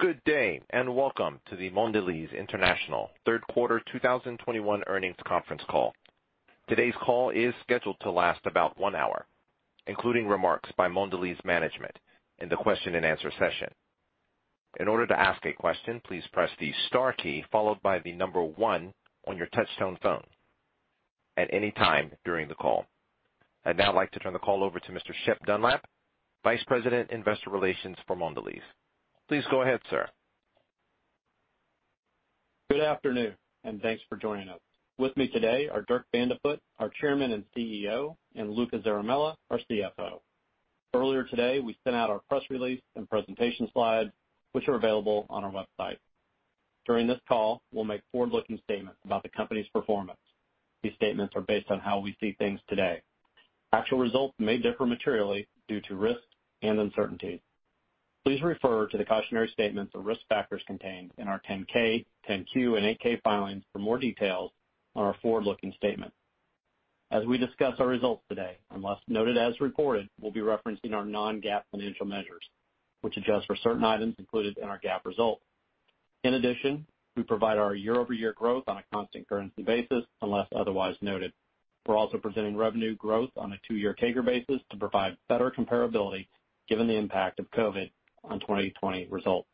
Good day, and welcome to the Mondelez International Third Quarter 2021 Earnings Conference Call. Today's call is scheduled to last about one hour, including remarks by Mondelez management in the question-and-answer session. In order to ask a question, please press the star key followed by the number one on your touch-tone phone at any time during the call. I'd now like to turn the call over to Mr. Shep Dunlap, Vice President, Investor Relations for Mondelez. Please go ahead, sir. Good afternoon, and thanks for joining us. With me today are Dirk Van de Put, our Chairman and CEO, and Luca Zaramella, our CFO. Earlier today, we sent out our press release and presentation slides, which are available on our website. During this call, we'll make forward-looking statements about the company's performance. These statements are based on how we see things today. Actual results may differ materially due to risks and uncertainties. Please refer to the cautionary statements of risk factors contained in our 10-K, 10-Q, and 8-K filings for more details on our forward-looking statement. As we discuss our results today, unless noted as reported, we'll be referencing our non-GAAP financial measures, which adjust for certain items included in our GAAP results. In addition, we provide our year-over-year growth on a constant currency basis, unless otherwise noted. We're also presenting revenue growth on a two-year CAGR basis to provide better comparability given the impact of COVID on 2020 results.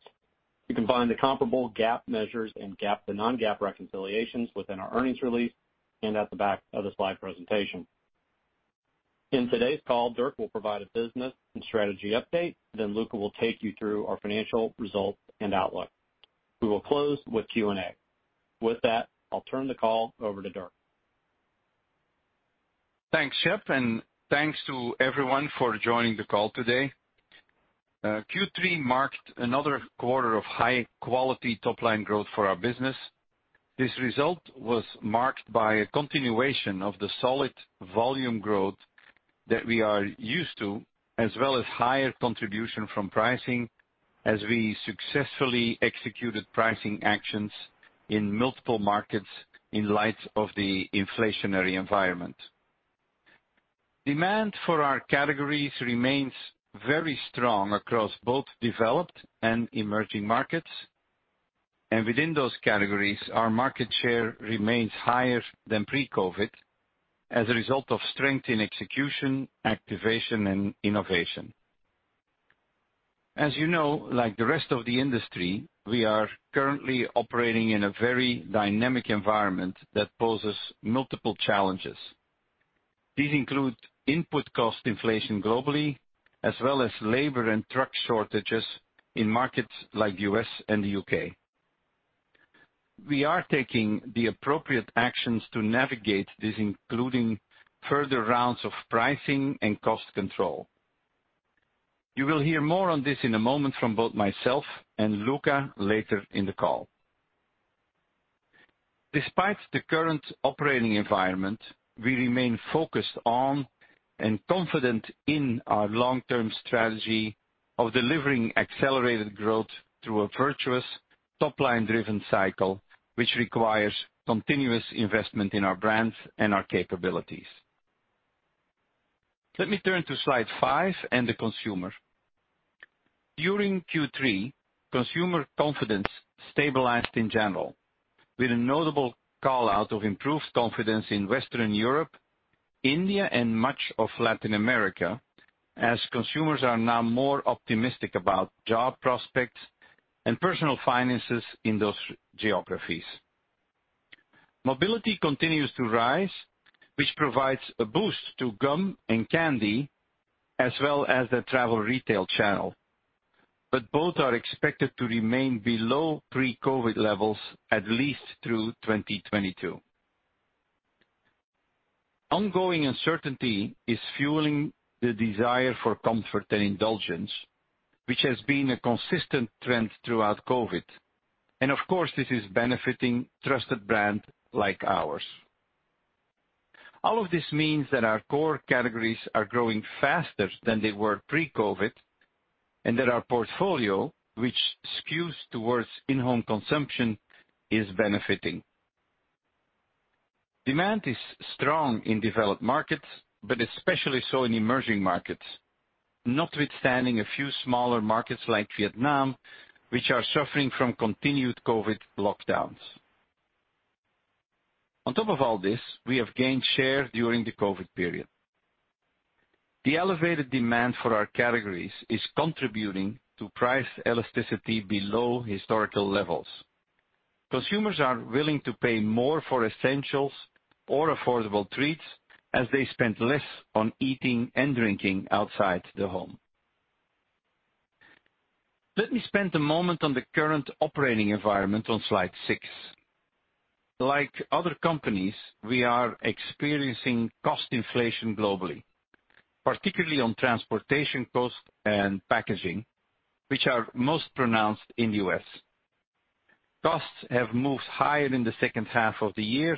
You can find the comparable GAAP measures and GAAP to non-GAAP reconciliations within our earnings release and at the back of the slide presentation. In today's call, Dirk will provide a business and strategy update, then Luca will take you through our financial results and outlook. We will close with Q&A. With that, I'll turn the call over to Dirk. Thanks, Shep, and thanks to everyone for joining the call today. Q3 marked another quarter of high-quality top-line growth for our business. This result was marked by a continuation of the solid volume growth that we are used to, as well as higher contribution from pricing as we successfully executed pricing actions in multiple markets in light of the inflationary environment. Demand for our categories remains very strong across both developed and emerging markets. Within those categories, our market share remains higher than pre-COVID as a result of strength in execution, activation, and innovation. As you know, like the rest of the industry, we are currently operating in a very dynamic environment that poses multiple challenges. These include input cost inflation globally, as well as labor and truck shortages in markets like the U.S. and the U.K. We are taking the appropriate actions to navigate this, including further rounds of pricing and cost control. You will hear more on this in a moment from both myself and Luca later in the call. Despite the current operating environment, we remain focused on and confident in our long-term strategy of delivering accelerated growth through a virtuous top-line driven cycle, which requires continuous investment in our brands and our capabilities. Let me turn to slide five and the consumer. During Q3, consumer confidence stabilized in general, with a notable call-out of improved confidence in Western Europe, India, and much of Latin America as consumers are now more optimistic about job prospects and personal finances in those geographies. Mobility continues to rise, which provides a boost to gum and candy, as well as the travel retail channel. Both are expected to remain below pre-COVID levels at least through 2022. Ongoing uncertainty is fueling the desire for comfort and indulgence, which has been a consistent trend throughout COVID. Of course, this is benefiting trusted brand like ours. All of this means that our core categories are growing faster than they were pre-COVID, and that our portfolio, which skews towards in-home consumption, is benefiting. Demand is strong in developed markets, but especially so in emerging markets, notwithstanding a few smaller markets like Vietnam, which are suffering from continued COVID lockdowns. On top of all this, we have gained share during the COVID period. The elevated demand for our categories is contributing to price elasticity below historical levels. Consumers are willing to pay more for essentials or affordable treats as they spend less on eating and drinking outside the home. Let me spend a moment on the current operating environment on slide six. Like other companies, we are experiencing cost inflation globally, particularly on transportation costs and packaging, which are most pronounced in the U.S. Costs have moved higher in the second half of the year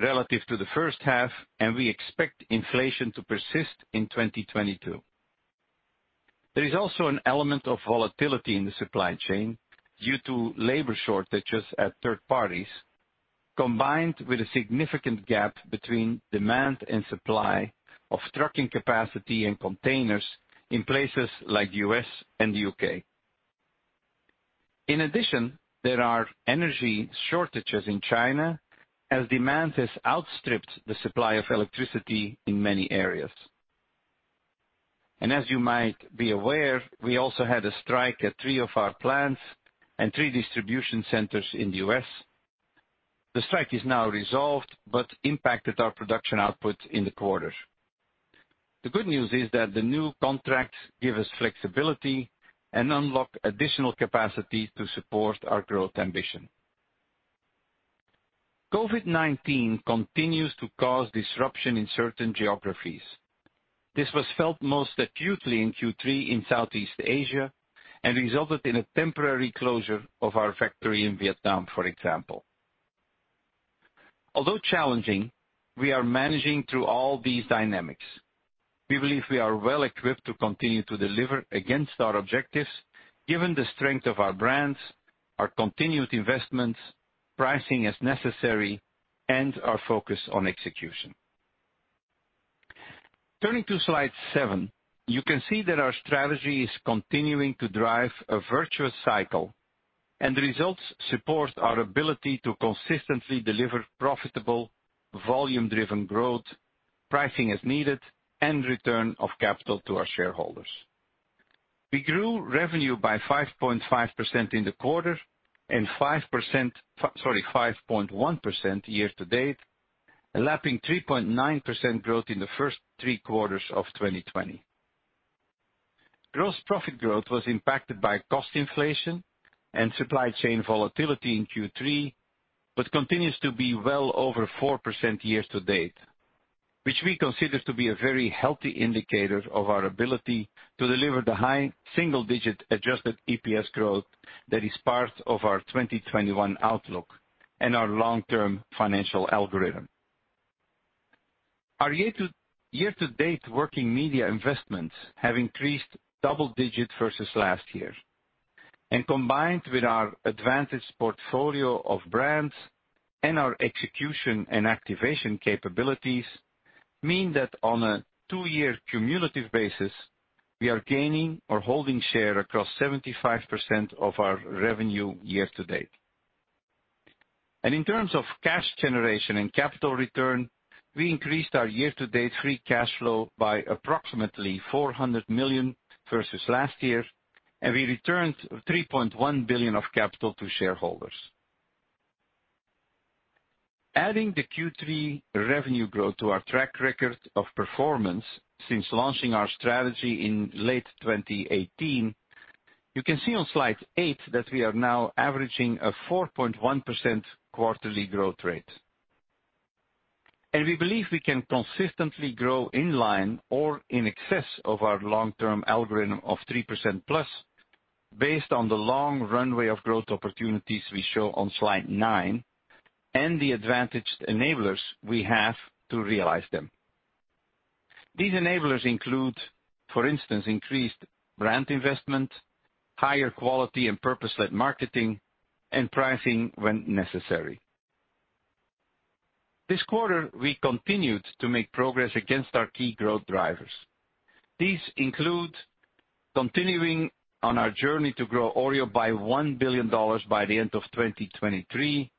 relative to the first half, and we expect inflation to persist in 2022. There is also an element of volatility in the supply chain due to labor shortages at third parties, combined with a significant gap between demand and supply of trucking capacity and containers in places like U.S. and U.K. In addition, there are energy shortages in China as demand has outstripped the supply of electricity in many areas. As you might be aware, we also had a strike at three of our plants and three distribution centers in the U.S. The strike is now resolved, but impacted our production output in the quarter. The good news is that the new contracts give us flexibility and unlock additional capacity to support our growth ambition. COVID-19 continues to cause disruption in certain geographies. This was felt most acutely in Q3 in Southeast Asia and resulted in a temporary closure of our factory in Vietnam, for example. Although challenging, we are managing through all these dynamics. We believe we are well equipped to continue to deliver against our objectives given the strength of our brands, our continued investments, pricing as necessary, and our focus on execution. Turning to slide seven, you can see that our strategy is continuing to drive a virtuous cycle, and the results support our ability to consistently deliver profitable, volume-driven growth, pricing as needed, and return of capital to our shareholders. We grew revenue by 5.5% in the quarter and 5%. Sorry, 5.1% year to date, lapping 3.9% growth in the first three quarters of 2020. Gross profit growth was impacted by cost inflation and supply chain volatility in Q3, but continues to be well over 4% year to date. Which we consider to be a very healthy indicator of our ability to deliver the high single-digit adjusted EPS growth that is part of our 2021 outlook and our long-term financial algorithm. Our year to date working media investments have increased double digits versus last year, combined with our advantage portfolio of brands and our execution and activation capabilities, mean that on a two-year cumulative basis, we are gaining or holding share across 75% of our revenue year to date. In terms of cash generation and capital return, we increased our year to date free cash flow by approximately $400 million versus last year, and we returned $3.1 billion of capital to shareholders. Adding the Q3 revenue growth to our track record of performance since launching our strategy in late 2018, you can see on slide 8 that we are now averaging a 4.1% quarterly growth rate. We believe we can consistently grow in line or in excess of our long-term algorithm of 3%+ based on the long runway of growth opportunities we show on slide 9 and the advantage enablers we have to realize them. These enablers include, for instance, increased brand investment, higher quality and purpose-led marketing, and pricing when necessary. This quarter, we continued to make progress against our key growth drivers. These include continuing on our journey to grow Oreo by $1 billion by the end of 2023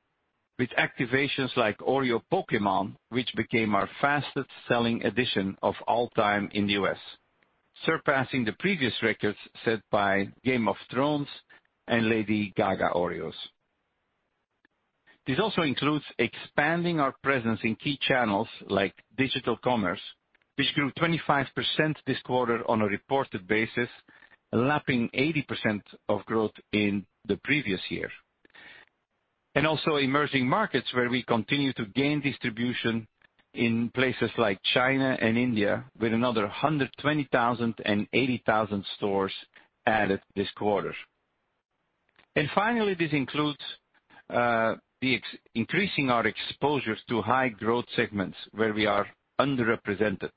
with activations like Oreo Pokémon, which became our fastest-selling edition of all time in the U.S., surpassing the previous records set by Game of Thrones and Lady Gaga Oreos. This also includes expanding our presence in key channels like digital commerce, which grew 25% this quarter on a reported basis, lapping 80% of growth in the previous year. Also emerging markets where we continue to gain distribution in places like China and India with another 120,000 and 80,000 stores added this quarter. Finally, this includes increasing our exposure to high growth segments where we are underrepresented.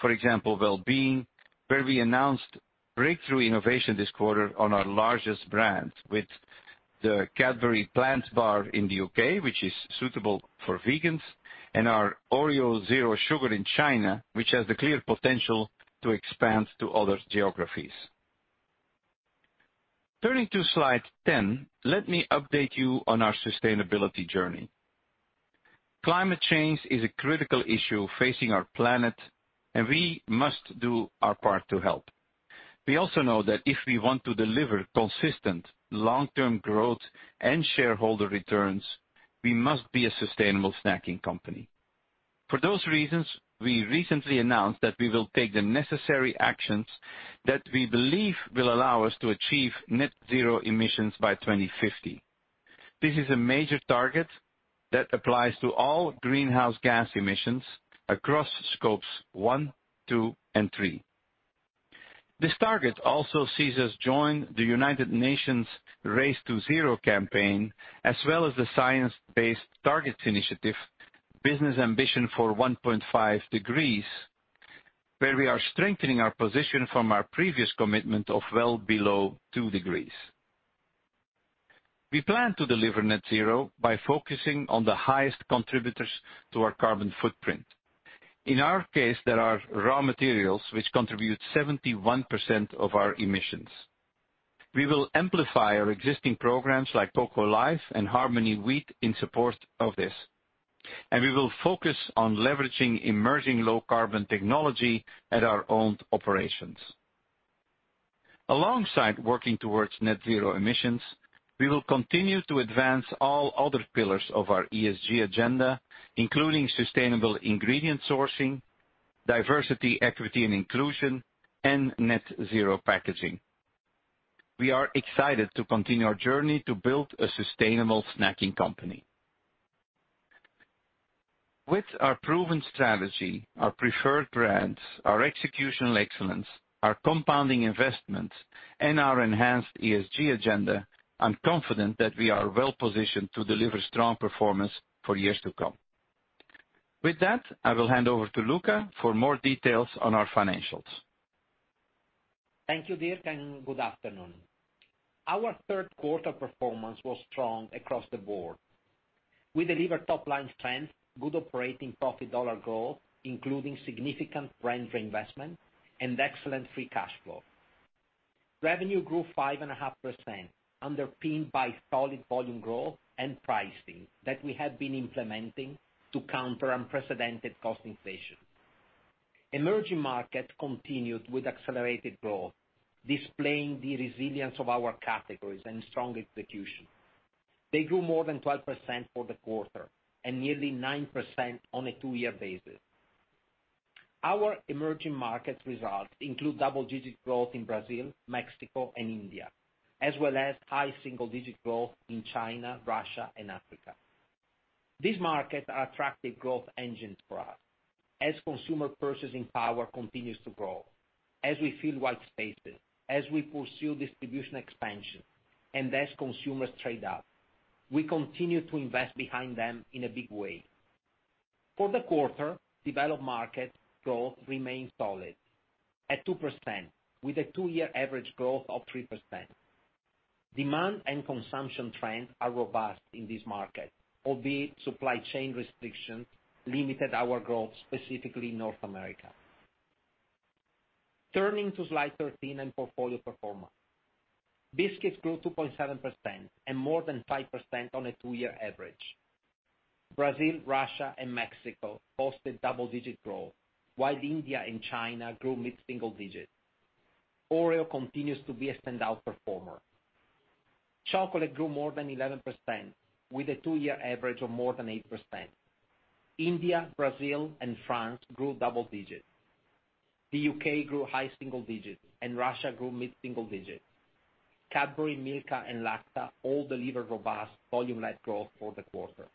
For example, well-being, where we announced breakthrough innovation this quarter on our largest brand with the Cadbury Plant Bar in the U.K., which is suitable for vegans, and our Oreo Zero in China, which has the clear potential to expand to other geographies. Turning to slide 10, let me update you on our sustainability journey. Climate change is a critical issue facing our planet, and we must do our part to help. We also know that if we want to deliver consistent long-term growth and shareholder returns, we must be a sustainable snacking company. For those reasons, we recently announced that we will take the necessary actions that we believe will allow us to achieve net zero emissions by 2050. This is a major target that applies to all greenhouse gas emissions across Scope 1, 2, and 3. This target also sees us join the United Nations Race to Zero campaign, as well as the Science Based Targets initiative, Business Ambition for 1.5 degrees. Where we are strengthening our position from our previous commitment of well below 2 degrees. We plan to deliver net zero by focusing on the highest contributors to our carbon footprint. In our case, there are raw materials which contribute 71% of our emissions. We will amplify our existing programs like Cocoa Life and Harmony in support of this, and we will focus on leveraging emerging low carbon technology at our owned operations. Alongside working towards net zero emissions, we will continue to advance all other pillars of our ESG agenda, including sustainable ingredient sourcing, diversity, equity and inclusion, and net zero packaging. We are excited to continue our journey to build a sustainable snacking company. With our proven strategy, our preferred brands, our executional excellence, our compounding investments, and our enhanced ESG agenda, I'm confident that we are well-positioned to deliver strong performance for years to come. With that, I will hand over to Luca for more details on our financials. Thank you, Dirk, and good afternoon. Our third quarter performance was strong across the board. We delivered top line strength, good operating profit dollar goal, including significant brand reinvestment and excellent free cash flow. Revenue grew 5.5%, underpinned by solid volume growth and pricing that we have been implementing to counter unprecedented cost inflation. Emerging markets continued with accelerated growth, displaying the resilience of our categories and strong execution. They grew more than 12% for the quarter and nearly 9% on a two-year basis. Our emerging markets results include double-digit growth in Brazil, Mexico and India, as well as high single-digit growth in China, Russia and Africa. These markets are attractive growth engines for us as consumer purchasing power continues to grow, as we fill white spaces, as we pursue distribution expansion and as consumers trade up. We continue to invest behind them in a big way. For the quarter, developed market growth remains solid at 2% with a two year average growth of 3%. Demand and consumption trends are robust in this market, albeit supply chain restrictions limited our growth, specifically in North America. Turning to slide 13 and portfolio performance. Biscuits grew 2.7% and more than 5% on a two year average. Brazil, Russia and Mexico posted double-digit growth, while India and China grew mid-single digit. Oreo continues to be a standout performer. Chocolate grew more than 11% with a two year average of more than 8%. India, Brazil and France grew double digits. The U.K. grew high single digits and Russia grew mid-single digits. Cadbury, Milka, and Lacta all delivered robust volume-led growth for the quarter.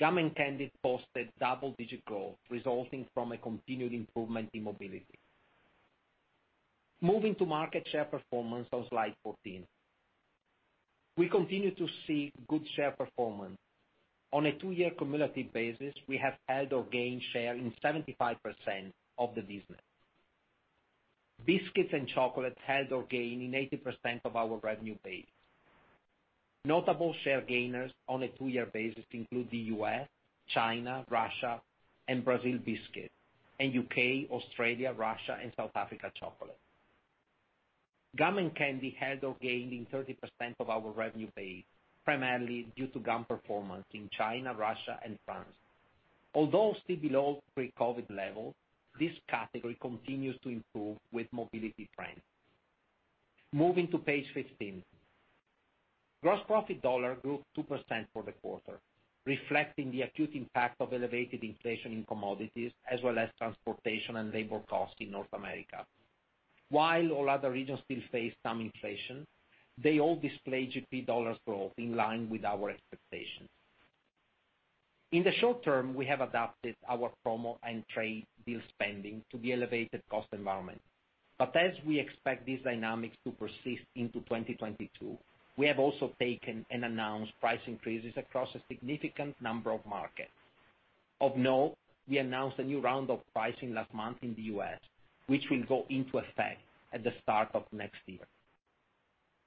Gum and candy posted double-digit growth, resulting from a continued improvement in mobility. Moving to market share performance on slide 14. We continue to see good share performance. On a two-year cumulative basis, we have held or gained share in 75% of the business. Biscuits and chocolate held or gain in 80% of our revenue base. Notable share gainers on a two-year basis include the U.S., China, Russia and Brazil biscuit, and U.K., Australia, Russia and South Africa chocolate. Gum and candy held or gained in 30% of our revenue base, primarily due to gum performance in China, Russia and France. Although still below pre-COVID levels, this category continues to improve with mobility trends. Moving to page 15. Gross profit dollar grew 2% for the quarter, reflecting the acute impact of elevated inflation in commodities as well as transportation and labor costs in North America. While all other regions still face some inflation, they all display GP dollars growth in line with our expectations. In the short term, we have adapted our promo and trade deal spending to the elevated cost environment. As we expect these dynamics to persist into 2022, we have also taken and announced price increases across a significant number of markets. Of note, we announced a new round of pricing last month in the U.S., which will go into effect at the start of next year.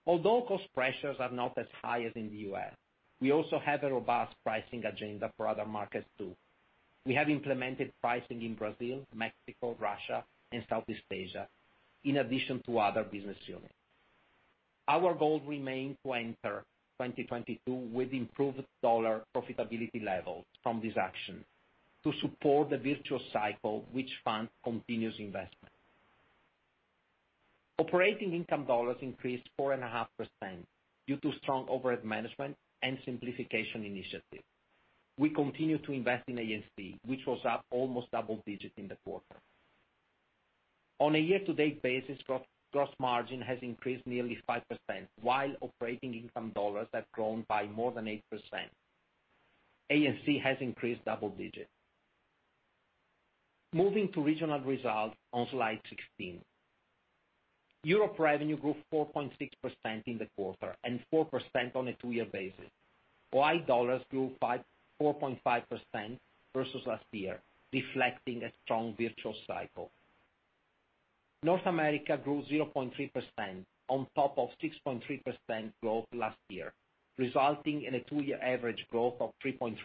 Although cost pressures are not as high as in the U.S., we also have a robust pricing agenda for other markets too. We have implemented pricing in Brazil, Mexico, Russia and Southeast Asia, in addition to other business units. Our goal remains to enter 2022 with improved dollar profitability levels from this action to support the virtual cycle which funds continuous investment. Operating income dollars increased 4.5% due to strong overhead management and simplification initiatives. We continue to invest in A&C, which was up almost double digits in the quarter. On a year-to-date basis, gross margin has increased nearly 5% while operating income dollars have grown by more than 8%. A&C has increased double digits. Moving to regional results on slide 16. Europe revenue grew 4.6% in the quarter and 4% on a two-year basis. Organic dollars grew 4.5% versus last year, reflecting a strong virtuous cycle. North America grew 0.3% on top of 6.3% growth last year, resulting in a two-year average growth of 3.3%.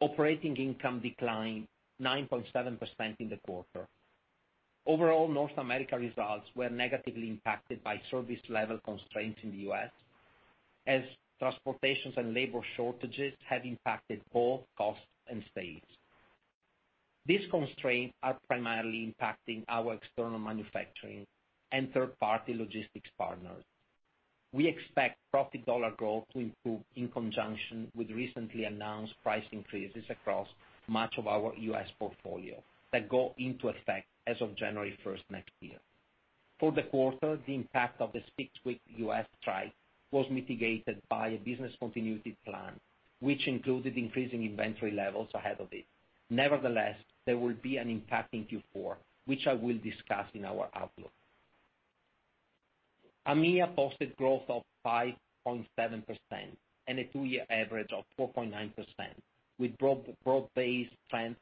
Operating income declined 9.7% in the quarter. Overall, North America results were negatively impacted by service level constraints in the U.S., as transportation and labor shortages have impacted both costs and sales. These constraints are primarily impacting our external manufacturing and third-party logistics partners. We expect profit dollar growth to improve in conjunction with recently announced price increases across much of our U.S. portfolio that go into effect as of January first next year. For the quarter, the impact of the six-week U.S. strike was mitigated by a business continuity plan, which included increasing inventory levels ahead of it. Nevertheless, there will be an impact in Q4, which I will discuss in our outlook. AMEA posted growth of 5.7% and a two-year average of 4.9%, with broad-based trends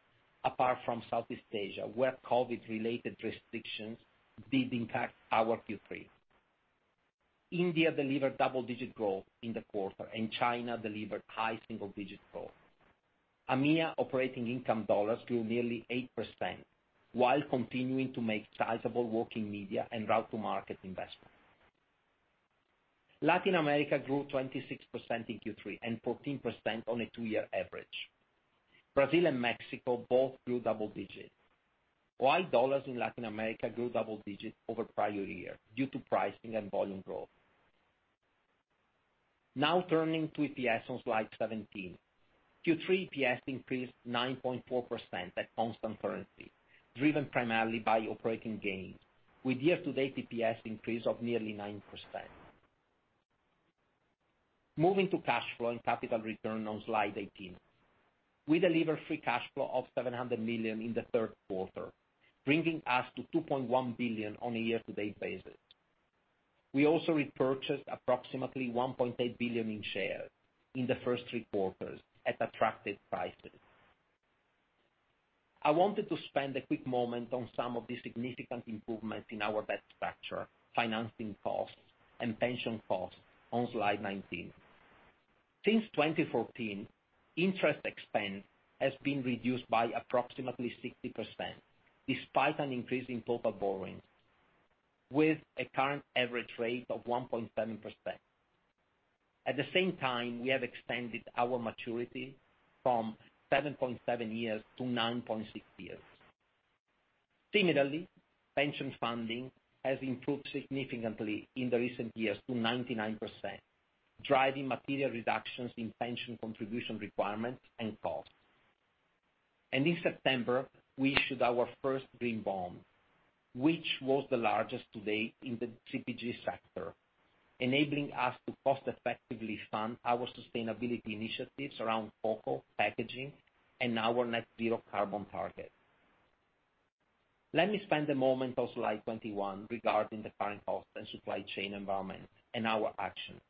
apart from Southeast Asia, where COVID-related restrictions did impact our Q3. India delivered double-digit growth in the quarter, and China delivered high single-digit growth. AMEA operating income dollars grew nearly 8% while continuing to make sizable working media and route to market investments. Latin America grew 26% in Q3 and 14% on a two-year average. Brazil and Mexico both grew double digits, while dollars in Latin America grew double digits over prior year due to pricing and volume growth. Now turning to EPS on slide 17. Q3 EPS increased 9.4% at constant currency, driven primarily by operating gains, with year-to-date EPS increase of nearly 9%. Moving to cash flow and capital return on slide 18. We delivered free cash flow of $700 million in the third quarter, bringing us to $2.1 billion on a year-to-date basis. We also repurchased approximately $1.8 billion in shares in the first three quarters at attractive prices. I wanted to spend a quick moment on some of the significant improvements in our debt structure, financing costs and pension costs on slide 19. Since 2014, interest expense has been reduced by approximately 60%, despite an increase in total borrowings, with a current average rate of 1.7%. At the same time, we have extended our maturity from 7.7 years-9.6 years. Similarly, pension funding has improved significantly in the recent years to 99%, driving material reductions in pension contribution requirements and costs. In September, we issued our first green bond, which was the largest to date in the CPG sector, enabling us to cost effectively fund our sustainability initiatives around cocoa, packaging, and our net zero carbon target. Let me spend a moment on slide 21 regarding the current cost and supply chain environment and our actions.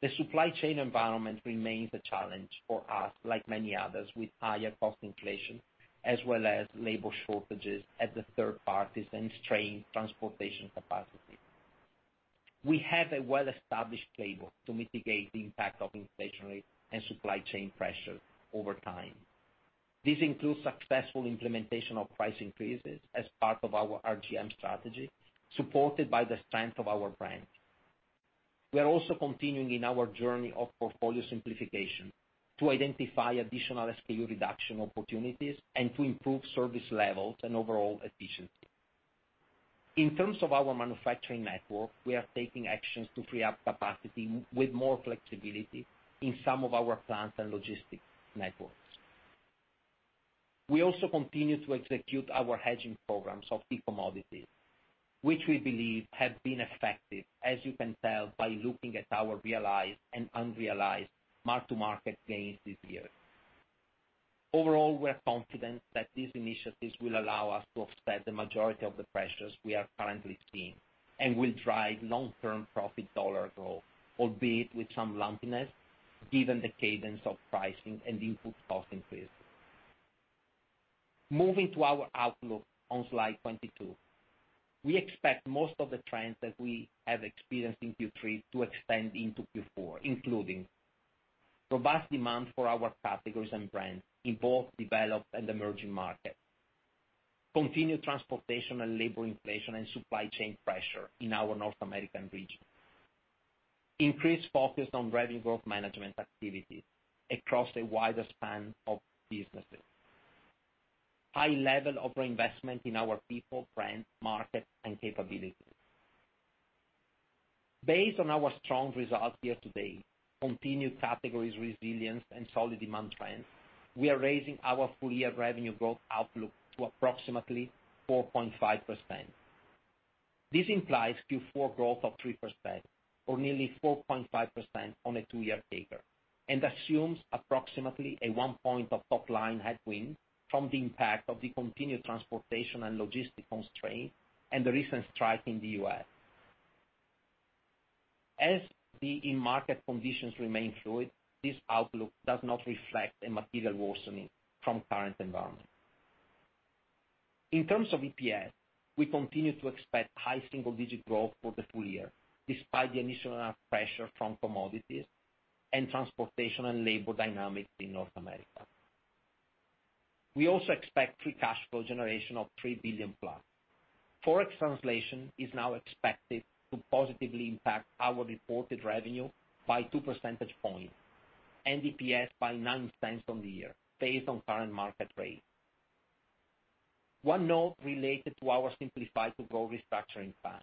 The supply chain environment remains a challenge for us, like many others, with higher cost inflation as well as labor shortages at the third parties and strained transportation capacity. We have a well-established playbook to mitigate the impact of inflationary and supply chain pressures over time. This includes successful implementation of price increases as part of our RGM strategy, supported by the strength of our brand. We are also continuing in our journey of portfolio simplification to identify additional SKU reduction opportunities and to improve service levels and overall efficiency. In terms of our manufacturing network, we are taking actions to free up capacity with more flexibility in some of our plants and logistics networks. We also continue to execute our hedging programs of key commodities, which we believe have been effective, as you can tell by looking at our realized and unrealized mark-to-market gains this year. Overall, we're confident that these initiatives will allow us to offset the majority of the pressures we are currently seeing and will drive long-term profit dollar growth, albeit with some lumpiness given the cadence of pricing and input cost increases. Moving to our outlook on slide 22. We expect most of the trends that we have experienced in Q3 to extend into Q4, including robust demand for our categories and brands in both developed and emerging markets, continued transportation and labor inflation and supply chain pressure in our North American region, increased focus on Revenue Growth Management activities across a wider span of businesses, high level of reinvestment in our people, brands, markets and capabilities. Based on our strong results year to date, continued categories resilience and solid demand trends, we are raising our full year revenue growth outlook to approximately 4.5%. This implies Q4 growth of 3% or nearly 4.5% on a two-year CAGR and assumes approximately 1 point of top line headwind from the impact of the continued transportation and logistic constraint and the recent strike in the U.S. As the end market conditions remain fluid, this outlook does not reflect a material worsening from current environment. In terms of EPS, we continue to expect high single-digit growth for the full year, despite the initial pressure from commodities and transportation and labor dynamics in North America. We also expect free cash flow generation of $3 billion+. Forex translation is now expected to positively impact our reported revenue by 2 percentage points, and EPS by $0.09 for the year based on current market rates. One note related to our Simplify to Grow restructuring plan.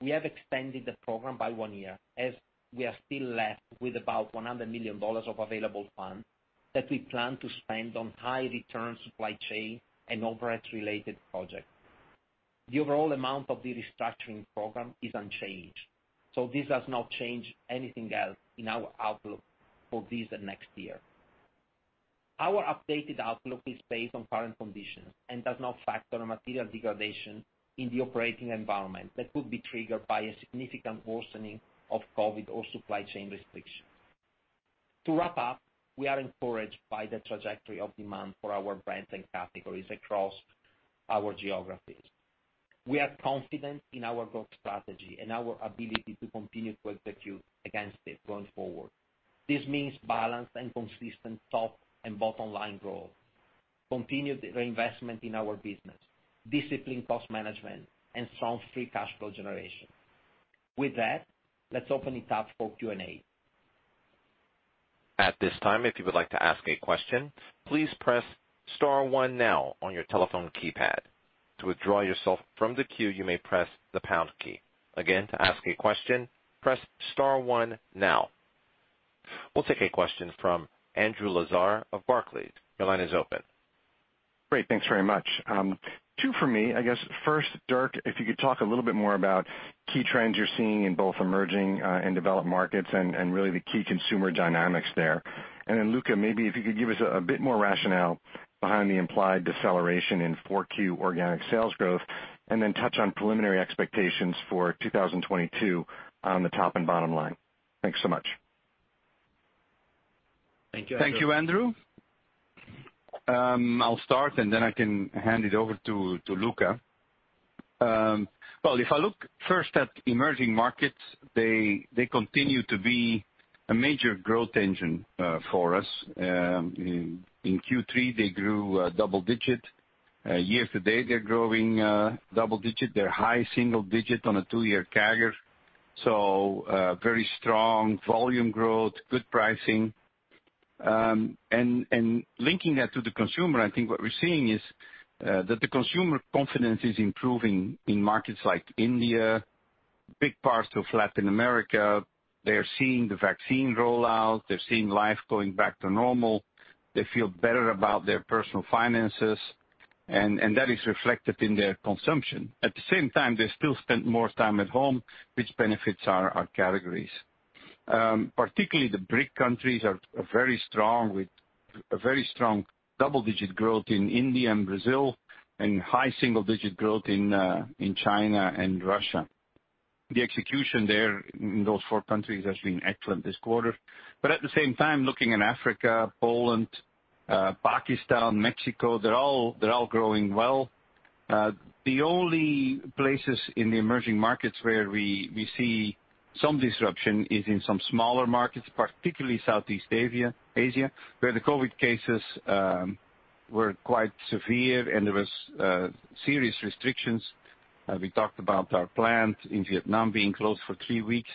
We have extended the program by one year as we are still left with about $100 million of available funds that we plan to spend on high return supply chain and overhead related projects. The overall amount of the restructuring program is unchanged, so this does not change anything else in our outlook for this and next year. Our updated outlook is based on current conditions and does not factor a material degradation in the operating environment that could be triggered by a significant worsening of COVID-19 or supply chain restrictions. To wrap up, we are encouraged by the trajectory of demand for our brands and categories across our geographies. We are confident in our growth strategy and our ability to continue to execute against it going forward. This means balanced and consistent top and bottom line growth, continued reinvestment in our business, disciplined cost management, and strong free cash flow generation. With that, let's open it up for Q&A. We'll take a question from Andrew Lazar of Barclays. Your line is open. Great. Thanks very much. Two for me, I guess. First, Dirk, if you could talk a little bit more about key trends you're seeing in both emerging and developed markets and really the key consumer dynamics there. Then Luca, maybe if you could give us a bit more rationale behind the implied deceleration in 4Q organic sales growth, and then touch on preliminary expectations for 2022 on the top and bottom line. Thanks so much. Thank you, Andrew. Thank you, Andrew. I'll start, and then I can hand it over to Luca. Well, if I look first at emerging markets, they continue to be a major growth engine for us. In Q3, they grew double-digit. Year to date, they're growing double-digit. They're high single-digit on a two-year CAGR. Very strong volume growth, good pricing. Linking that to the consumer, I think what we're seeing is that the consumer confidence is improving in markets like India, big parts of Latin America. They're seeing the vaccine rollout. They're seeing life going back to normal. They feel better about their personal finances, and that is reflected in their consumption. At the same time, they still spend more time at home, which benefits our categories. Particularly the BRIC countries are very strong with a very strong double-digit growth in India and Brazil, and high single digit growth in China and Russia. The execution there in those four countries has been excellent this quarter. At the same time, looking in Africa, Poland, Pakistan, Mexico, they're all growing well. The only places in the emerging markets where we see some disruption is in some smaller markets, particularly Southeast Asia, where the COVID-19 cases were quite severe and there was serious restrictions. We talked about our plant in Vietnam being closed for three weeks,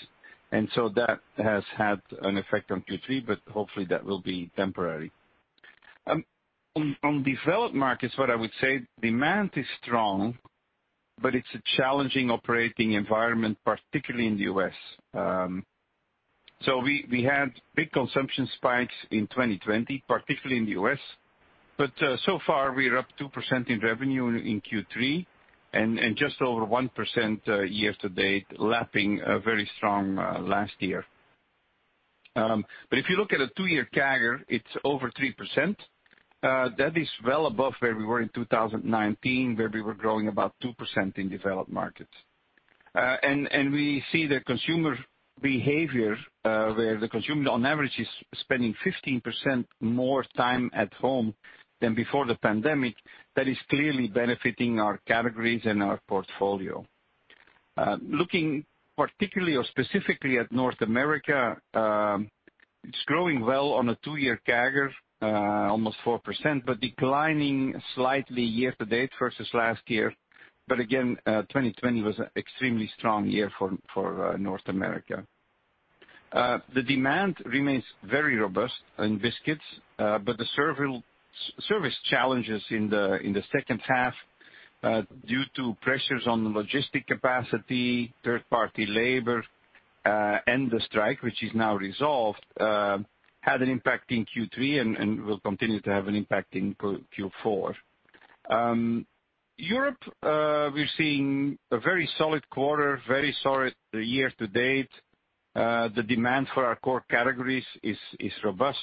and so that has had an effect on Q3, but hopefully that will be temporary. On developed markets, what I would say, demand is strong, but it's a challenging operating environment, particularly in the U.S. We had big consumption spikes in 2020, particularly in the U.S. So far we're up 2% in revenue in Q3 and just over 1% year to date, lapping a very strong last year. If you look at a two-year CAGR, it's over 3%. That is well above where we were in 2019, where we were growing about 2% in developed markets. We see the consumer behavior where the consumer on average is spending 15% more time at home than before the pandemic. That is clearly benefiting our categories and our portfolio. Looking particularly or specifically at North America, it's growing well on a two-year CAGR, almost 4%, but declining slightly year to date versus last year. Again, 2020 was an extremely strong year for North America. The demand remains very robust in biscuits, but the service challenges in the second half, due to pressures on the logistics capacity, third-party labor, and the strike, which is now resolved, had an impact in Q3 and will continue to have an impact in Q4. Europe, we're seeing a very solid quarter, very solid year-to-date. The demand for our core categories is robust.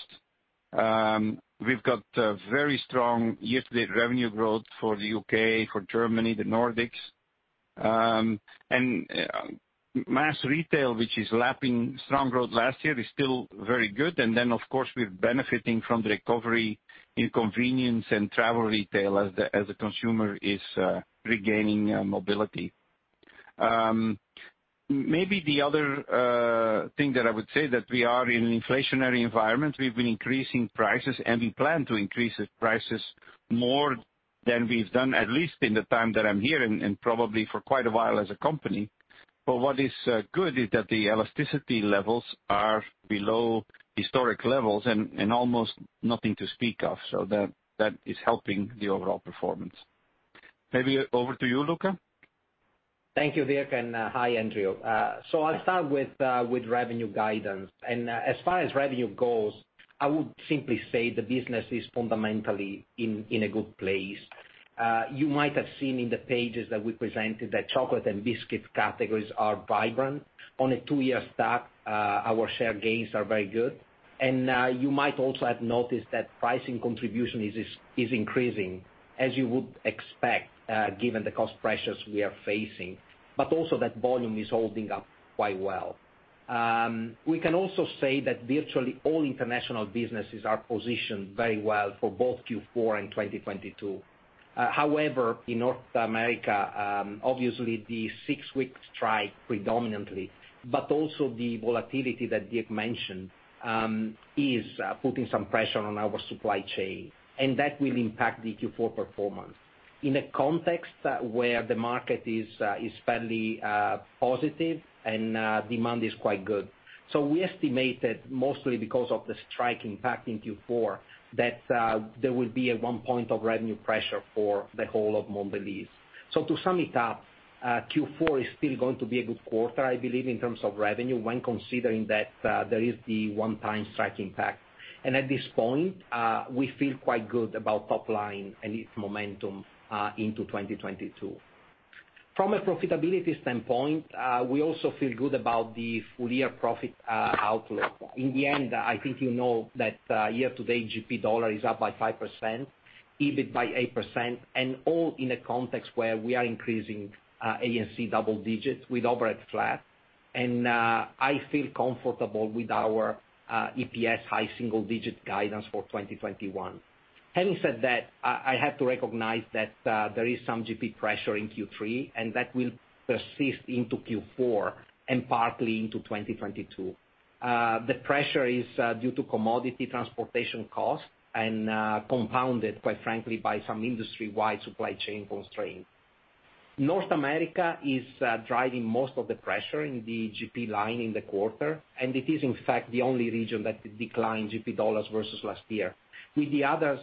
We've got very strong year-to-date revenue growth for the U.K., for Germany, the Nordics. Mass retail, which is lapping strong growth last year, is still very good. Of course, we're benefiting from the recovery in convenience and travel retail as the consumer is regaining mobility. Maybe the other thing that I would say that we are in an inflationary environment. We've been increasing prices, and we plan to increase the prices more than we've done, at least in the time that I'm here, and probably for quite a while as a company. But what is good is that the elasticity levels are below historic levels and almost nothing to speak of. So that is helping the overall performance. Maybe over to you, Luca. Thank you, Dirk, and hi, Andrew. I'll start with revenue guidance. As far as revenue goes, I would simply say the business is fundamentally in a good place. You might have seen in the pages that we presented that chocolate and biscuit categories are vibrant. On a two-year stack, our share gains are very good. You might also have noticed that pricing contribution is increasing as you would expect, given the cost pressures we are facing, but also that volume is holding up quite well. We can also say that virtually all international businesses are positioned very well for both Q4 and 2022. However, in North America, obviously the six week strike predominantly, but also the volatility that Dirk mentioned, is putting some pressure on our supply chain, and that will impact the Q4 performance in a context where the market is fairly positive and demand is quite good. We estimate that mostly because of the strike impact in Q4, that there will be a one point of revenue pressure for the whole of Mondelez. To sum it up, Q4 is still going to be a good quarter, I believe, in terms of revenue when considering that there is the one-time strike impact. At this point, we feel quite good about top line and its momentum into 2022. From a profitability standpoint, we also feel good about the full-year profit outlook. In the end, I think you know that, year-to-date GP dollar is up by 5%, EBIT by 8%, and all in a context where we are increasing A&C double digits with overhead flat. I feel comfortable with our EPS high single digit guidance for 2021. Having said that, I have to recognize that there is some GP pressure in Q3, and that will persist into Q4 and partly into 2022. The pressure is due to commodity transportation costs and compounded, quite frankly, by some industry-wide supply chain constraints. North America is driving most of the pressure in the GP line in the quarter, and it is in fact the only region that declined GP dollars versus last year, with the others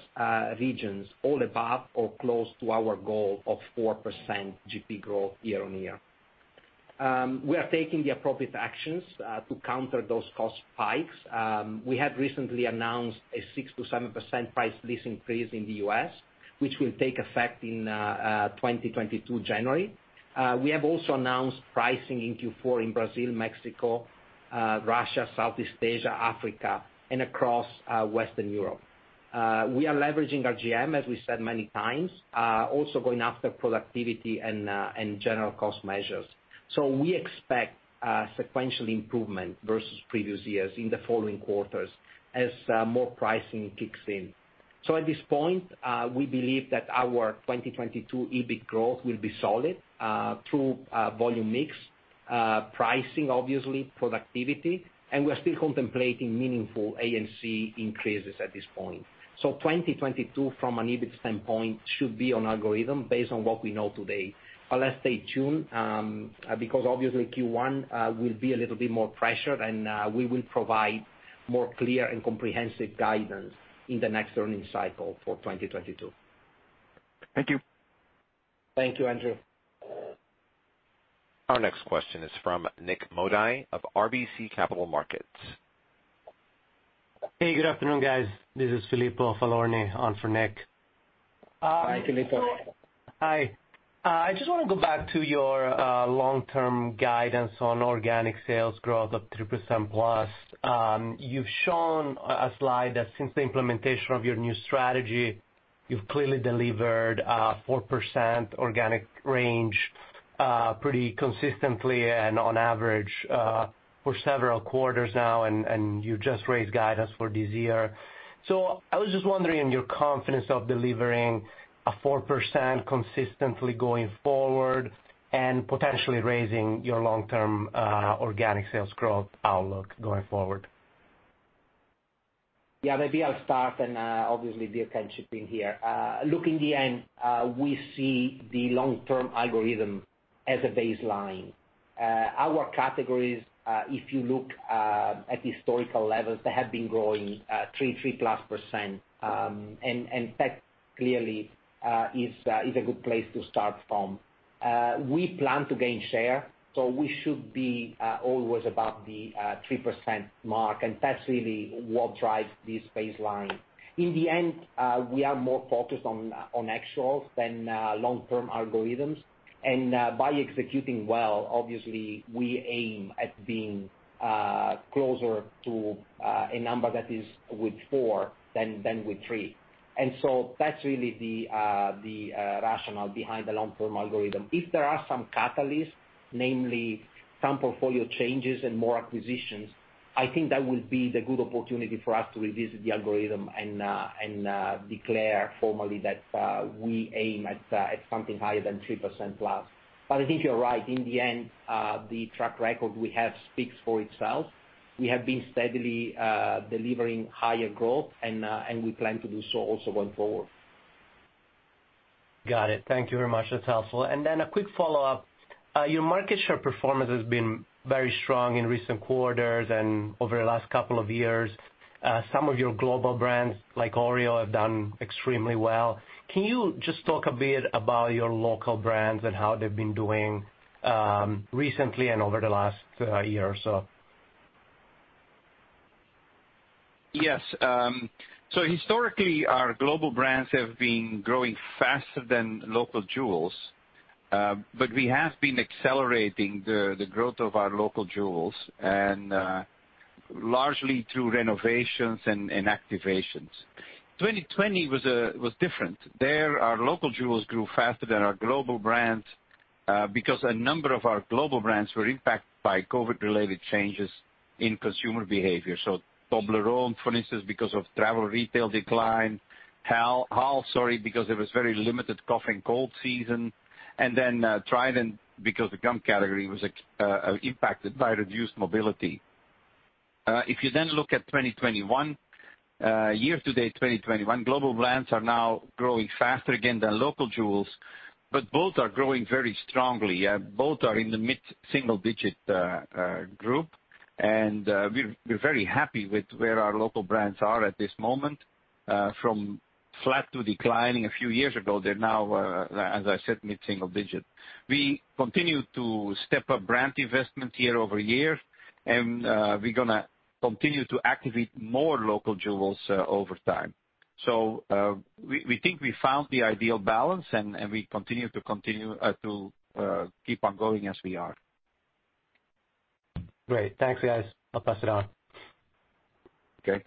regions all above or close to our goal of 4% GP growth year-on-year. We are taking the appropriate actions to counter those cost spikes. We have recently announced a 6%-7% price list increase in the U.S., which will take effect in January 2022. We have also announced pricing in Q4 in Brazil, Mexico, Russia, Southeast Asia, Africa, and across Western Europe. We are leveraging our RGM, as we said many times, also going after productivity and general cost measures. We expect a sequential improvement versus previous years in the following quarters as more pricing kicks in. At this point, we believe that our 2022 EBIT growth will be solid through volume mix, pricing, obviously productivity, and we are still contemplating meaningful A&C increases at this point. 2022 from an EBIT standpoint should be on algorithm based on what we know today. Let's stay tuned because obviously Q1 will be a little bit more pressured, and we will provide more clear and comprehensive guidance in the next earnings cycle for 2022. Thank you. Thank you, Andrew. Our next question is from Nik Modi of RBC Capital Markets. Hey, good afternoon, guys. This is Filippo Falorni on for Nik. Hi, Filippo. Hi. I just wanna go back to your long-term guidance on organic sales growth of 3% plus. You've shown a slide that since the implementation of your new strategy, you've clearly delivered 4% organic growth pretty consistently and on average for several quarters now, and you just raised guidance for this year. I was just wondering about your confidence of delivering 4% consistently going forward and potentially raising your long-term organic sales growth outlook going forward. Yeah, maybe I'll start and, obviously Dirk can chip in here. Look, in the end, we see the long-term algorithm as a baseline. Our categories, if you look at historical levels, they have been growing 3%+. And that clearly is a good place to start from. We plan to gain share, so we should be always above the 3% mark, and that's really what drives this baseline. In the end, we are more focused on actuals than long-term algorithms. By executing well, obviously we aim at being closer to a number that is with four than with three. That's really the rationale behind the long-term algorithm. If there are some catalysts, namely some portfolio changes and more acquisitions, I think that will be the good opportunity for us to revisit the algorithm and declare formally that we aim at something higher than 3%+. I think you're right. In the end, the track record we have speaks for itself. We have been steadily delivering higher growth, and we plan to do so also going forward. Got it. Thank you very much. That's helpful. A quick follow-up. Your market share performance has been very strong in recent quarters and over the last couple of years. Some of your global brands, like Oreo, have done extremely well. Can you just talk a bit about your local brands and how they've been doing, recently and over the last year or so? Yes. Historically, our global brands have been growing faster than local jewels. We have been accelerating the growth of our local jewels and largely through renovations and activations. 2020 was different. There, our local jewels grew faster than our global brands because a number of our global brands were impacted by COVID-related changes in consumer behavior. Toblerone, for instance, because of travel retail decline, Halls because there was very limited cough and cold season, and then Trident because the gum category was impacted by reduced mobility. If you then look at 2021 year to date, global brands are now growing faster again than local jewels, but both are growing very strongly. Both are in the mid-single-digit growth. We're very happy with where our local brands are at this moment. From flat to declining a few years ago, they're now, as I said, mid-single digit. We continue to step up brand investment year over year, and we're gonna continue to activate more local jewels over time. We think we found the ideal balance and we continue to keep on going as we are. Great. Thanks, guys. I'll pass it on. Okay.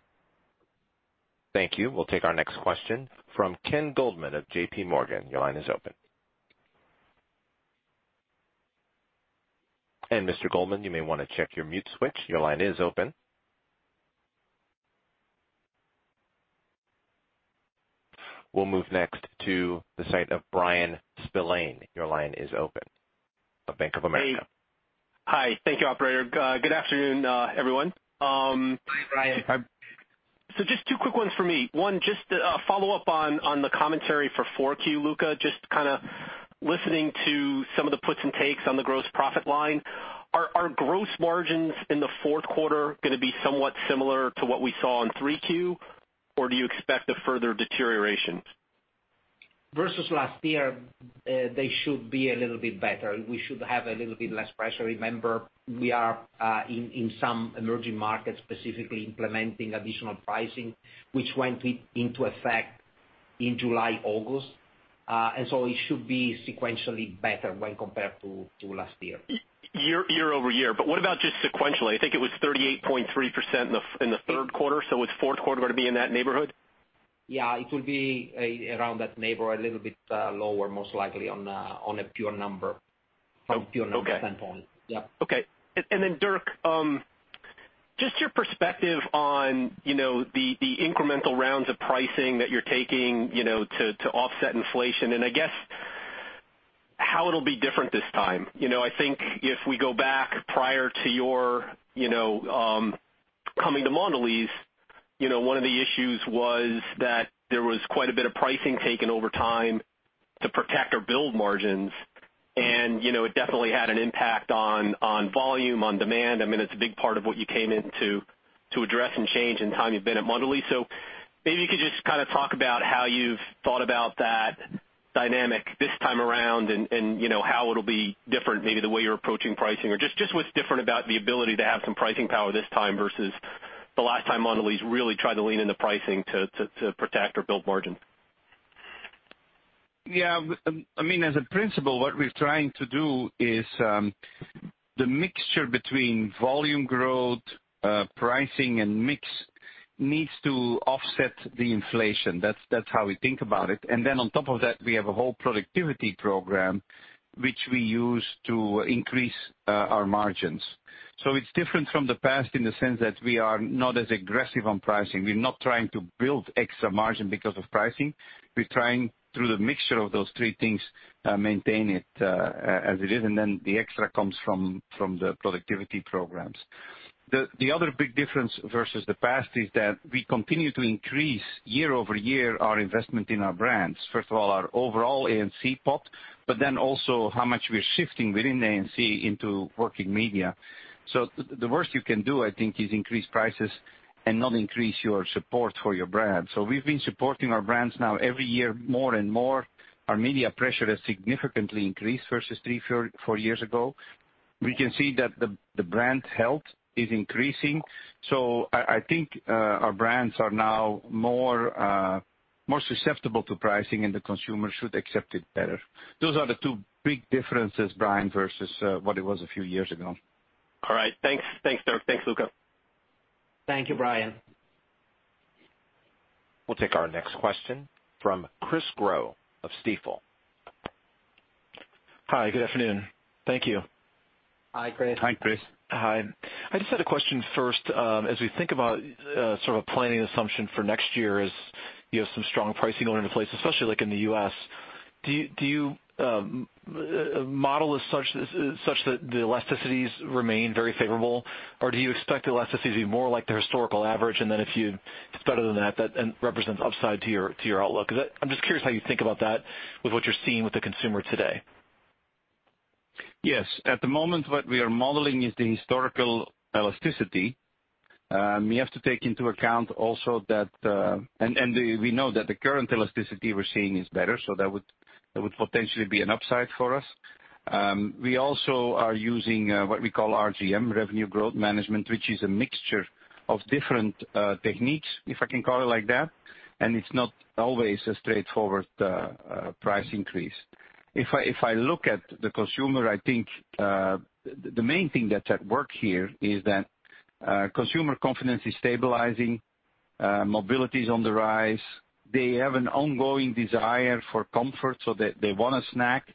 Thank you. We'll take our next question from Ken Goldman of JPMorgan. Your line is open. Mr. Goldman, you may wanna check your mute switch. Your line is open. We'll move next to the line of Bryan Spillane. Your line is open, of Bank of America. Hey. Hi. Thank you, operator. Good afternoon, everyone. Hi, Bryan. Just two quick ones for me. One, just a follow-up on the commentary for 4Q, Luca. Just kinda listening to some of the puts and takes on the gross profit line. Are gross margins in the fourth quarter gonna be somewhat similar to what we saw in 3Q, or do you expect a further deterioration? Versus last year, they should be a little bit better. We should have a little bit less pressure. Remember, we are in some emerging markets, specifically implementing additional pricing, which went into effect in July, August. It should be sequentially better when compared to last year. Year-over-year. What about just sequentially? I think it was 38.3% in the third quarter. It's fourth quarter gonna be in that neighborhood? Yeah, it will be around that neighborhood, a little bit lower, most likely on a pure number. Oh, okay. From a pure number standpoint. Yeah. Okay. Dirk, just your perspective on, you know, the incremental rounds of pricing that you're taking, you know, to offset inflation, and I guess how it'll be different this time. You know, I think if we go back prior to your, you know, coming to Mondelez, you know, one of the issues was that there was quite a bit of pricing taken over time to protect or build margins. You know, it definitely had an impact on volume, on demand. I mean, it's a big part of what you came in to address and change in the time you've been at Mondelez. Maybe you could just kinda talk about how you've thought about that dynamic this time around and, you know, how it'll be different, maybe the way you're approaching pricing or just what's different about the ability to have some pricing power this time versus the last time Mondelez really tried to lean into pricing to protect or build margin. Yeah. I mean, in principle, what we're trying to do is the mixture between volume growth, pricing and mix needs to offset the inflation. That's how we think about it. On top of that, we have a whole productivity program which we use to increase our margins. It's different from the past in the sense that we are not as aggressive on pricing. We're not trying to build extra margin because of pricing. We're trying, through the mixture of those three things, maintain it as it is, and the extra comes from the productivity programs. The other big difference versus the past is that we continue to increase year-over-year our investment in our brands. First of all, our overall A&C pop, but then also how much we're shifting within A&C into working media. The worst you can do, I think, is increase prices and not increase your support for your brand. We've been supporting our brands now every year more and more. Our media pressure has significantly increased versus three, four years ago. We can see that the brand health is increasing. I think our brands are now more more susceptible to pricing, and the consumer should accept it better. Those are the two big differences, Bryan, versus what it was a few years ago. All right. Thanks. Thanks, Dirk. Thanks, Luca. Thank you, Bryan. We'll take our next question from Chris Growe of Stifel. Hi. Good afternoon. Thank you. Hi, Chris. Hi, Chris. Hi. I just had a question first. As we think about sort of planning assumption for next year as you have some strong pricing going into place, especially like in the U.S., do you model such that the elasticities remain very favorable, or do you expect the elasticities to be more like the historical average? If it's better than that and represents upside to your outlook, is that. I'm just curious how you think about that with what you're seeing with the consumer today. Yes. At the moment, what we are modeling is the historical elasticity. We have to take into account also that we know that the current elasticity we're seeing is better, so that would potentially be an upside for us. We also are using what we call RGM, Revenue Growth Management, which is a mixture of different techniques, if I can call it like that, and it's not always a straightforward price increase. If I look at the consumer, I think the main thing that's at work here is that consumer confidence is stabilizing, mobility is on the rise. They have an ongoing desire for comfort so they wanna snack,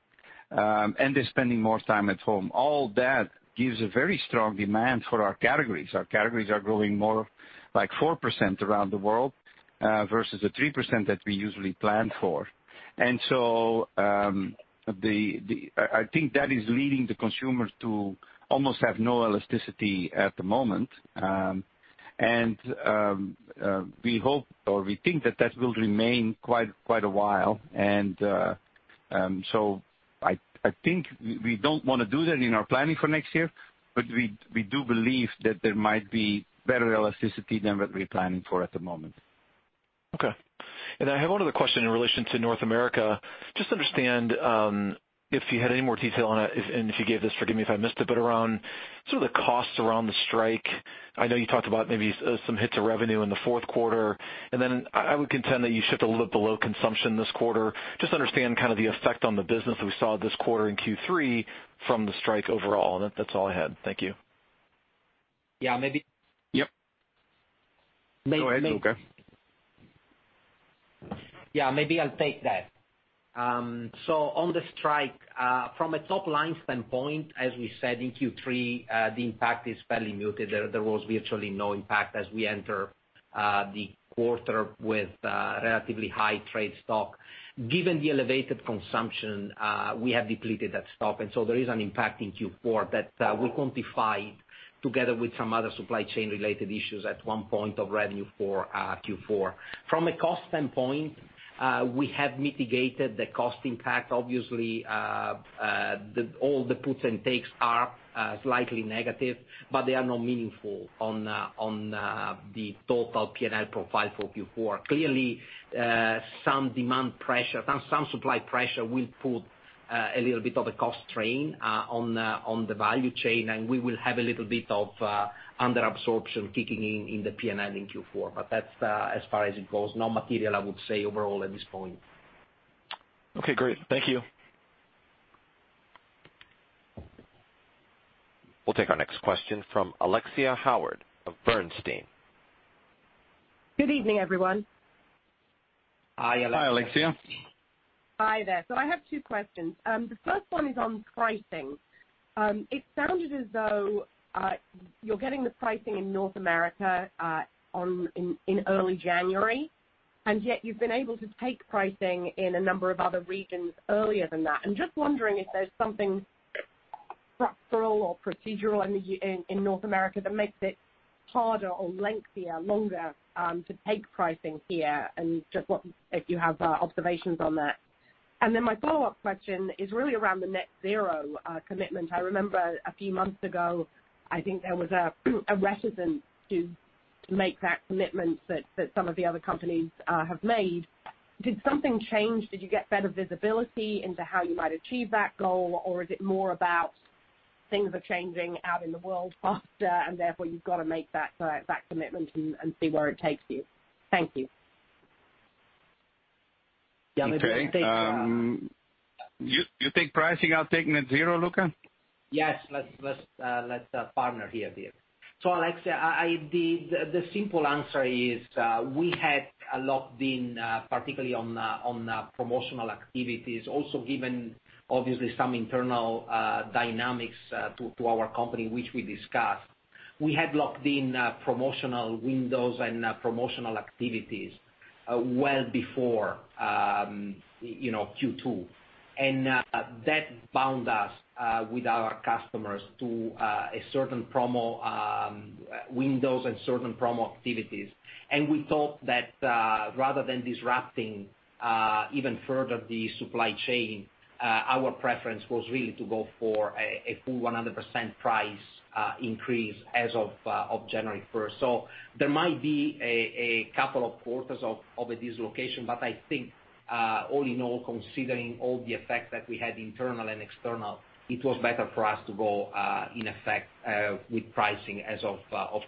and they're spending more time at home. All that gives a very strong demand for our categories. Our categories are growing more, like 4% around the world, versus the 3% that we usually plan for. I think that is leading the consumer to almost have no elasticity at the moment. We hope or we think that that will remain quite a while. I think we don't wanna do that in our planning for next year, but we do believe that there might be better elasticity than what we're planning for at the moment. Okay. I have one other question in relation to North America. Just understand if you had any more detail on it, and if you gave this, forgive me if I missed it, but around sort of the costs around the strike. I know you talked about maybe some hits of revenue in the fourth quarter, and then I would contend that you shipped a little below consumption this quarter. Just understand kind of the effect on the business that we saw this quarter in Q3 from the strike overall. That's all I had. Thank you. Yeah. Yep. May-may- Go ahead, Luca. Yeah, maybe I'll take that. So on the strike, from a top-line standpoint, as we said in Q3, the impact is fairly muted. There was virtually no impact as we enter the quarter with relatively high trade stock. Given the elevated consumption, we have depleted that stock, and so there is an impact in Q4 that we quantify together with some other supply chain related issues at 1 point of revenue for Q4. From a cost standpoint, we have mitigated the cost impact. Obviously, all the puts and takes are slightly negative, but they are not meaningful on the total P&L profile for Q4. Clearly, some demand pressure. Some supply pressure will put a little bit of a cost strain on the value chain, and we will have a little bit of under absorption kicking in in the P&L in Q4. That's as far as it goes. Not material, I would say, overall at this point. Okay, great. Thank you. We'll take our next question from Alexia Howard of Bernstein. Good evening, everyone. Hi, Alexia. Hi, Alexia. Hi there. I have two questions. The first one is on pricing. It sounded as though you're getting the pricing in North America in early January, and yet you've been able to take pricing in a number of other regions earlier than that. I'm just wondering if there's something structural or procedural in North America that makes it harder or lengthier, longer, to take pricing here and just what if you have observations on that. My follow-up question is really around the net zero commitment. I remember a few months ago, I think there was a reticence to make that commitment that some of the other companies have made. Did something change? Did you get better visibility into how you might achieve that goal, or is it more about things are changing out in the world faster and therefore you've got to make that commitment and see where it takes you? Thank you. Yeah. Okay. You take pricing, I'll take net zero, Luca? Yes. Let's partner here, Dirk. Alexia, the simple answer is, we had a locked in, particularly on promotional activities, also given obviously some internal dynamics to our company, which we discussed. We had locked in promotional windows and promotional activities well before, you know, Q2. That bound us with our customers to a certain promo windows and certain promo activities. We thought that, rather than disrupting even further the supply chain, our preference was really to go for a full 100% price increase as of January first. There might be a couple of quarters of a dislocation, but I think, all in all, considering all the effects that we had internal and external, it was better for us to go, in effect, with pricing as of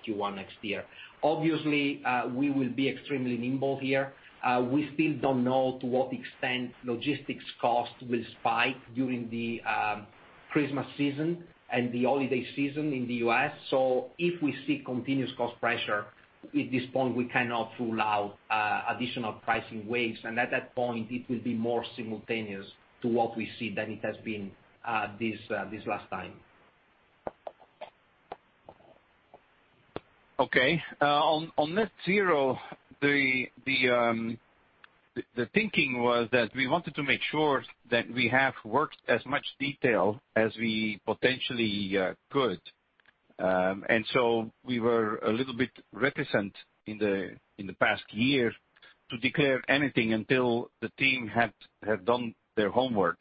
Q1 next year. Obviously, we will be extremely nimble here. We still don't know to what extent logistics costs will spike during the Christmas season and the holiday season in the U.S. If we see continuous cost pressure, at this point, we cannot rule out additional pricing waves. At that point, it will be more simultaneous to what we see than it has been, this last time. Okay. On net zero, the thinking was that we wanted to make sure that we have worked out as much detail as we potentially could. We were a little bit reticent in the past year to declare anything until the team had done their homework.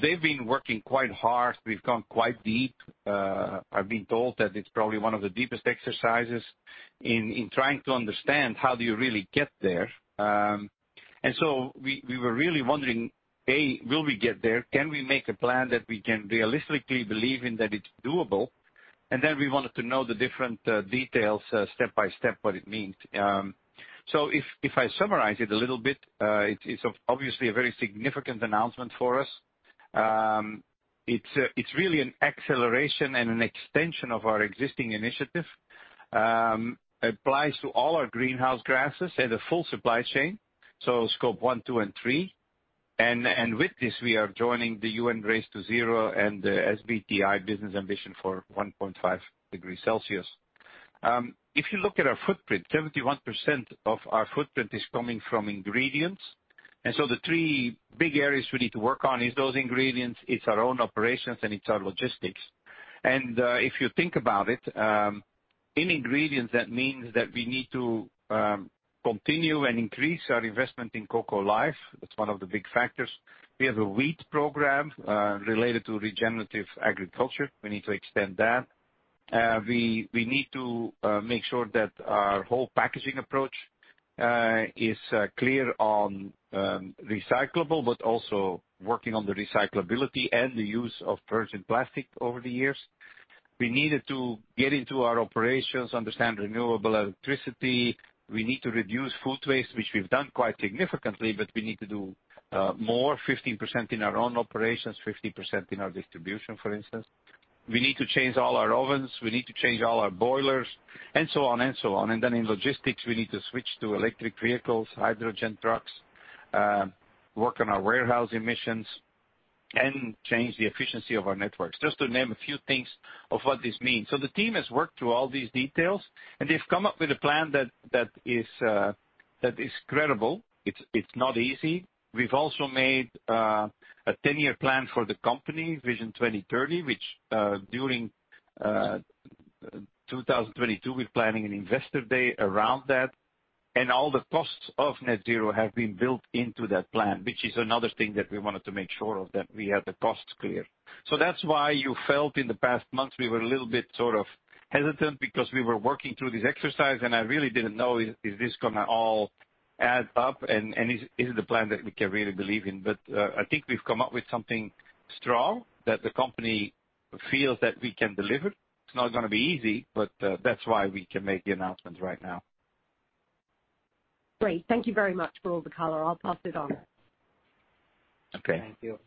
They've been working quite hard. We've gone quite deep. I've been told that it's probably one of the deepest exercises in trying to understand how do you really get there. We were really wondering, A, will we get there? Can we make a plan that we can realistically believe in that it's doable? We wanted to know the different details step by step, what it means. If I summarize it a little bit, it is obviously a very significant announcement for us. It's really an acceleration and an extension of our existing initiative. It applies to all our greenhouse gases and the full supply chain, so scope 1, 2, and 3. With this, we are joining the UN Race to Zero and the SBTI Business Ambition for 1.5 degrees Celsius. If you look at our footprint, 71% of our footprint is coming from ingredients. The three big areas we need to work on is those ingredients, it's our own operations, and it's our logistics. If you think about it, in ingredients, that means that we need to continue and increase our investment in Cocoa Life. That's one of the big factors. We have a wheat program related to regenerative agriculture. We need to extend that. We need to make sure that our whole packaging approach is clear on recyclable, but also working on the recyclability and the use of virgin plastic over the years. We need to get into our operations, understand renewable electricity. We need to reduce food waste, which we've done quite significantly, but we need to do more, 15% in our own operations, 50% in our distribution, for instance. We need to change all our ovens. We need to change all our boilers and so on and so on. Then in logistics, we need to switch to electric vehicles, hydrogen trucks, work on our warehouse emissions, and change the efficiency of our networks, just to name a few things of what this means. The team has worked through all these details, and they've come up with a plan that is credible. It's not easy. We've also made a ten-year plan for the company, Vision 2030, which during 2022, we're planning an investor day around that. All the costs of net zero have been built into that plan, which is another thing that we wanted to make sure of, that we had the costs clear. That's why you felt in the past months we were a little bit sort of hesitant because we were working through this exercise, and I really didn't know, is this gonna all add up, and is it a plan that we can really believe in? I think we've come up with something strong that the company feels that we can deliver. It's not gonna be easy, but that's why we can make the announcement right now. Great. Thank you very much for all the color. I'll pass it on. Okay. Thank you.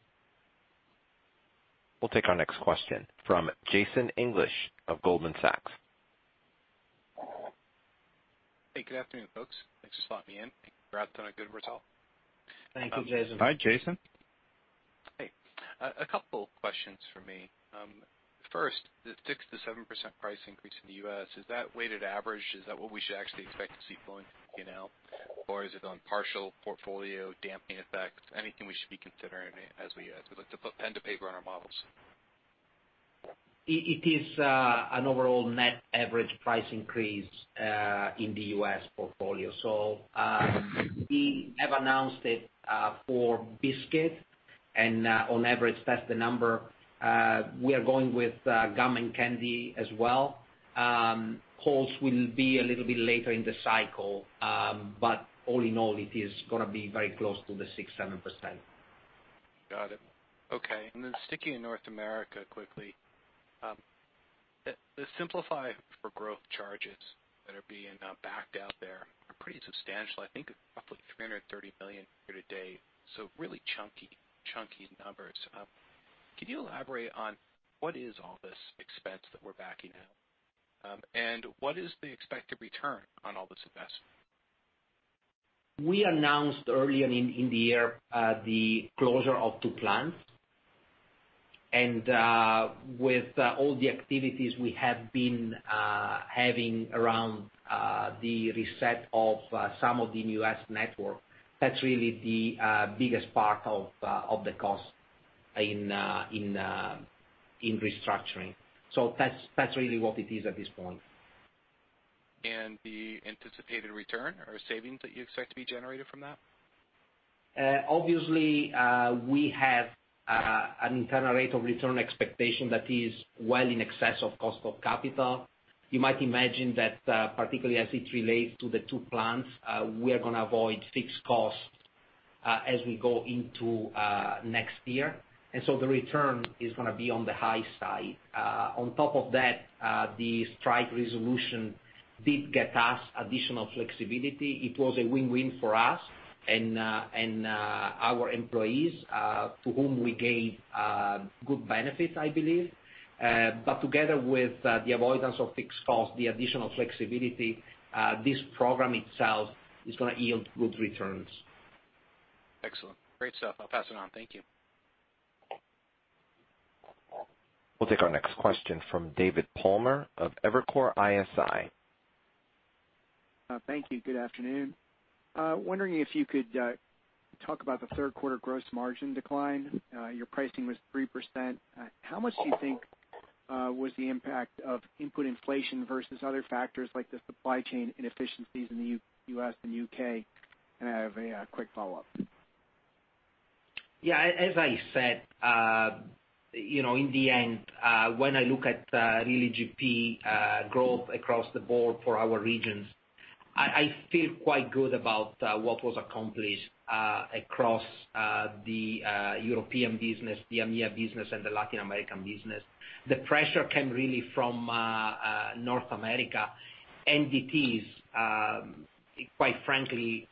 We'll take our next question from Jason English of Goldman Sachs. Hey, good afternoon, folks. Thanks for letting me in. Thank you for a good result. Thank you, Jason. Hi, Jason. Hey. A couple questions for me. First, the 6%-7% price increase in the U.S., is that weighted average? Is that what we should actually expect to see going, you know, or is it on partial portfolio damping effect? Anything we should be considering as we look to put pen to paper on our models? It is an overall net average price increase in the U.S. portfolio. We have announced it for biscuit and on average, that's the number. We are going with gum and candy as well. Halls will be a little bit later in the cycle, but all in all, it is gonna be very close to the 6%-7%. Got it. Okay. Sticking in North America quickly, the Simplify to Grow charges that are being backed out there are pretty substantial. I think roughly $330 million year to date, so really chunky numbers. Can you elaborate on what is all this expense that we're backing out? What is the expected return on all this investment? We announced early on in the year the closure of two plants. With all the activities we have been having around the reset of some of the U.S. network, that's really the biggest part of the cost in restructuring. That's really what it is at this point. The anticipated return or savings that you expect to be generated from that? Obviously, we have an internal rate of return expectation that is well in excess of cost of capital. You might imagine that, particularly as it relates to the two plants, we are gonna avoid fixed costs, as we go into next year. The return is gonna be on the high side. On top of that, the strike resolution did get us additional flexibility. It was a win-win for us and our employees, to whom we gave good benefits, I believe. Together with the avoidance of fixed costs, the additional flexibility, this program itself is gonna yield good returns. Excellent. Great stuff. I'll pass it on. Thank you. We'll take our next question from David Palmer of Evercore ISI. Thank you. Good afternoon. Wondering if you could talk about the third quarter gross margin decline. Your pricing was 3%. How much do you think was the impact of input inflation versus other factors like the supply chain inefficiencies in the U.S. and U.K.? I have a quick follow-up. Yeah, as I said, you know, in the end, when I look at really GP growth across the board for our regions, I feel quite good about what was accomplished across the European business, the EMEIA business, and the Latin American business. The pressure came really from North America. It is, quite frankly,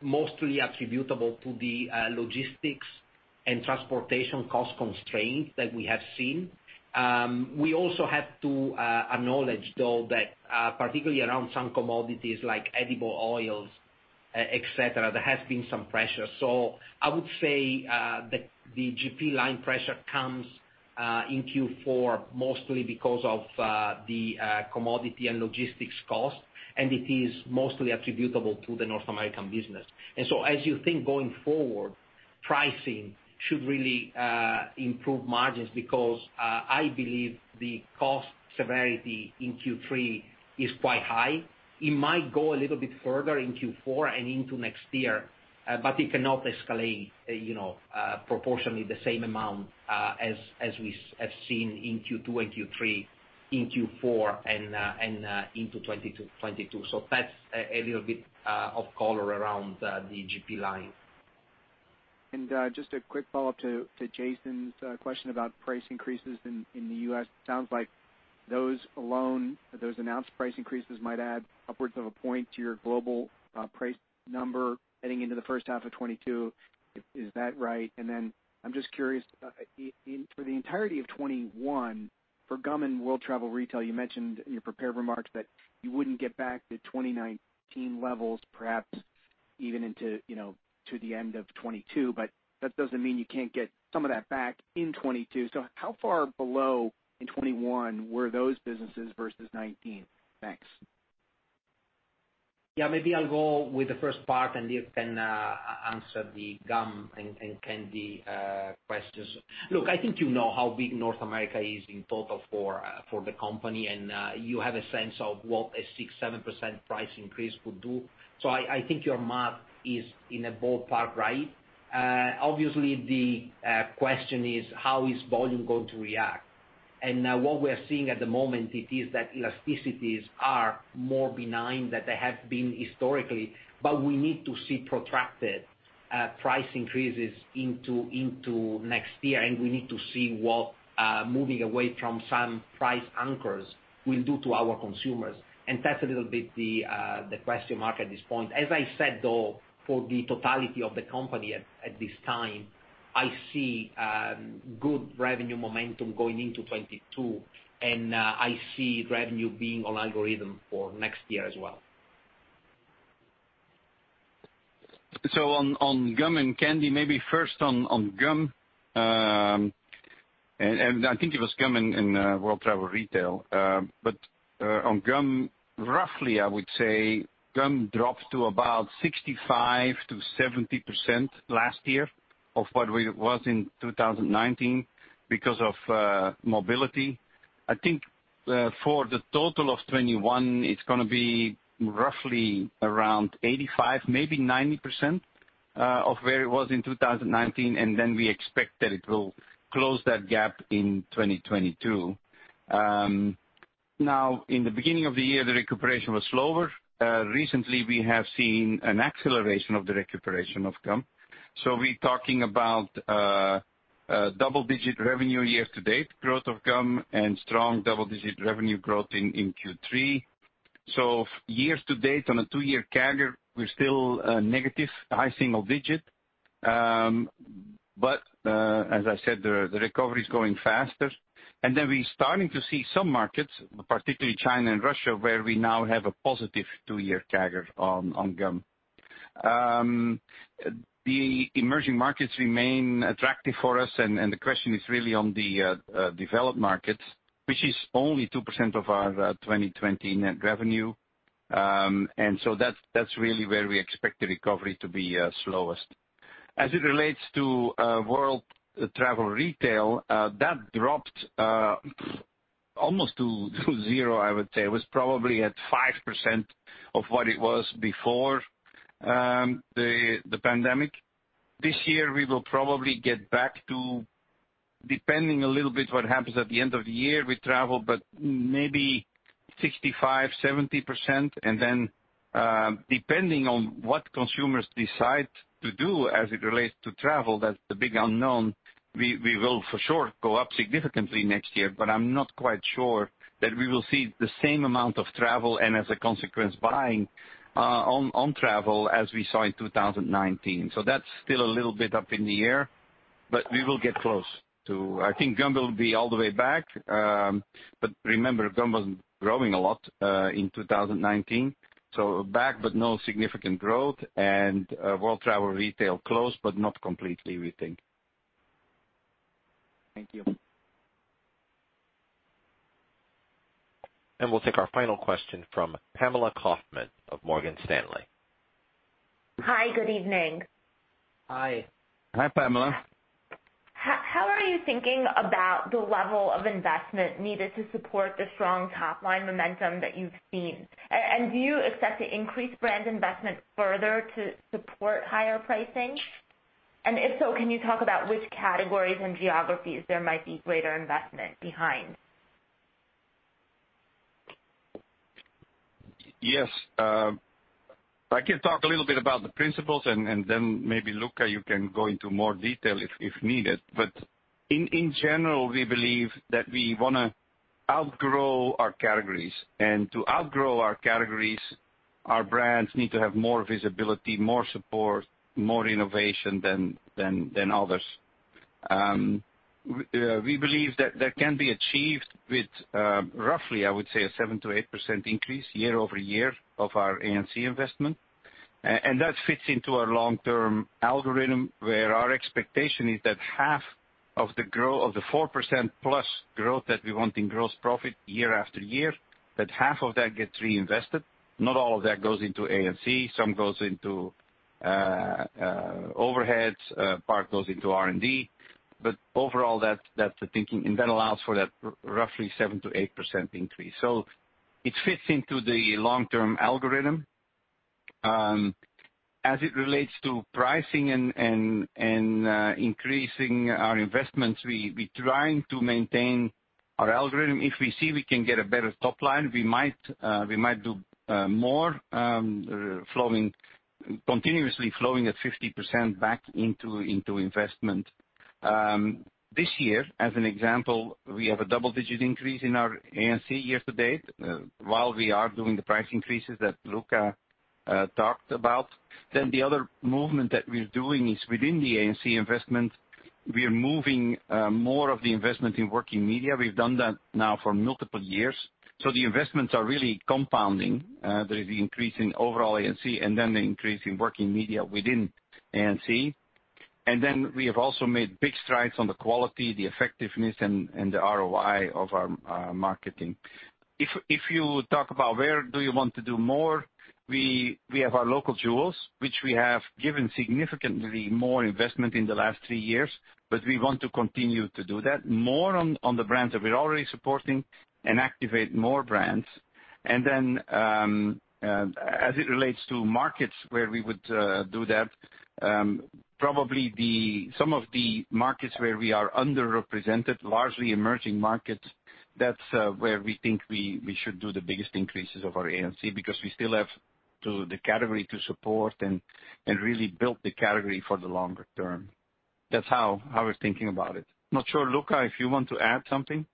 mostly attributable to the logistics and transportation cost constraints that we have seen. We also have to acknowledge though that, particularly around some commodities like edible oils, et cetera, there has been some pressure. I would say the GP line pressure comes in Q4 mostly because of the commodity and logistics cost, and it is mostly attributable to the North American business. As you think going forward, pricing should really improve margins because I believe the cost severity in Q3 is quite high. It might go a little bit further in Q4 and into next year, but it cannot escalate, you know, proportionally the same amount, as we have seen in Q2 and Q3, in Q4 and into 2022. That's a little bit of color around the GP line. Just a quick follow-up to Jason's question about price increases in the U.S. Sounds like those announced price increases might add upwards of 1% to your global price number heading into the first half of 2022. Is that right? I'm just curious, for the entirety of 2021, for gum and world travel retail, you mentioned in your prepared remarks that you wouldn't get back to 2019 levels perhaps even into, you know, to the end of 2022, but that doesn't mean you can't get some of that back in 2022. How far below in 2021 were those businesses versus 2019? Thanks. Yeah, maybe I'll go with the first part, and Dirk can answer the gum and candy questions. Look, I think you know how big North America is in total for the company, and you have a sense of what a 6%-7% price increase would do. I think your math is in a ballpark right. Obviously the question is how is volume going to react? What we're seeing at the moment is that elasticities are more benign than they have been historically, but we need to see protracted price increases into next year, and we need to see what moving away from some price anchors will do to our consumers. That's a little bit the question mark at this point. As I said, though, for the totality of the company at this time, I see good revenue momentum going into 2022, and I see revenue being on algorithm for next year as well. On gum and candy, maybe first on gum and world travel retail. On gum, roughly, I would say gum dropped to about 65%-70% last year of what we was in 2019 because of mobility. I think for the total of 2021, it's gonna be roughly around 85%, maybe 90%, of where it was in 2019, and then we expect that it will close that gap in 2022. Now in the beginning of the year, the recovery was slower. Recently, we have seen an acceleration of the recovery of gum. We're talking about double-digit revenue year to date growth of gum and strong double-digit revenue growth in Q3. Year to date on a two-year CAGR, we're still negative high single digit. As I said, the recovery is going faster. We're starting to see some markets, particularly China and Russia, where we now have a positive two-year CAGR on gum. The emerging markets remain attractive for us and the question is really on the developed markets, which is only 2% of our 2020 net revenue. That's really where we expect the recovery to be slowest. As it relates to world travel retail, that dropped almost to zero, I would say. It was probably at 5% of what it was before the pandemic. This year, we will probably get back to, depending a little bit on what happens at the end of the year with travel, but maybe 65%-70%. Depending on what consumers decide to do as it relates to travel, that's the big unknown. We will for sure go up significantly next year, but I'm not quite sure that we will see the same amount of travel and as a consequence, buying on travel as we saw in 2019. That's still a little bit up in the air, but we will get close to 2019. I think gum will be all the way back. Remember, gum was growing a lot in 2019, so back but no significant growth. World Travel Retail close, but not completely, we think. Thank you. We'll take our final question from Pamela Kaufman of Morgan Stanley. Hi, good evening. Hi. Hi, Pamela. How are you thinking about the level of investment needed to support the strong top-line momentum that you've seen? Do you expect to increase brand investment further to support higher pricing? If so, can you talk about which categories and geographies there might be greater investment behind? Yes. I can talk a little bit about the principles and then maybe, Luca, you can go into more detail if needed. In general, we believe that we wanna outgrow our categories. To outgrow our categories, our brands need to have more visibility, more support, more innovation than others. We believe that that can be achieved with roughly, I would say, a 7%-8% increase year over year of our A&C investment. That fits into our long-term algorithm, where our expectation is that half of the 4%+ growth that we want in gross profit year after year, that half of that gets reinvested. Not all of that goes into A&C. Some goes into overheads, part goes into R&D. Overall, that's the thinking, and that allows for that roughly 7%-8% increase. It fits into the long-term algorithm. As it relates to pricing and increasing our investments, we're trying to maintain our algorithm. If we see we can get a better top line, we might do more flowing continuously at 50% back into investment. This year, as an example, we have a double-digit increase in our A&C year to date while we are doing the price increases that Luca talked about. The other movement that we're doing is within the A&C investment; we are moving more of the investment in working media. We've done that now for multiple years. The investments are really compounding. There is the increase in overall A&C and then the increase in working media within A&C. We have also made big strides on the quality, the effectiveness and the ROI of our marketing. If you talk about where do you want to do more, we have our local jewels, which we have given significantly more investment in the last three years, but we want to continue to do that more on the brands that we're already supporting and activate more brands. As it relates to markets where we would do that, probably some of the markets where we are underrepresented, largely emerging markets, that's where we think we should do the biggest increases of our A&C because we still have to support the category and really build the category for the longer term. That's how we're thinking about it. Not sure, Luca, if you want to add something.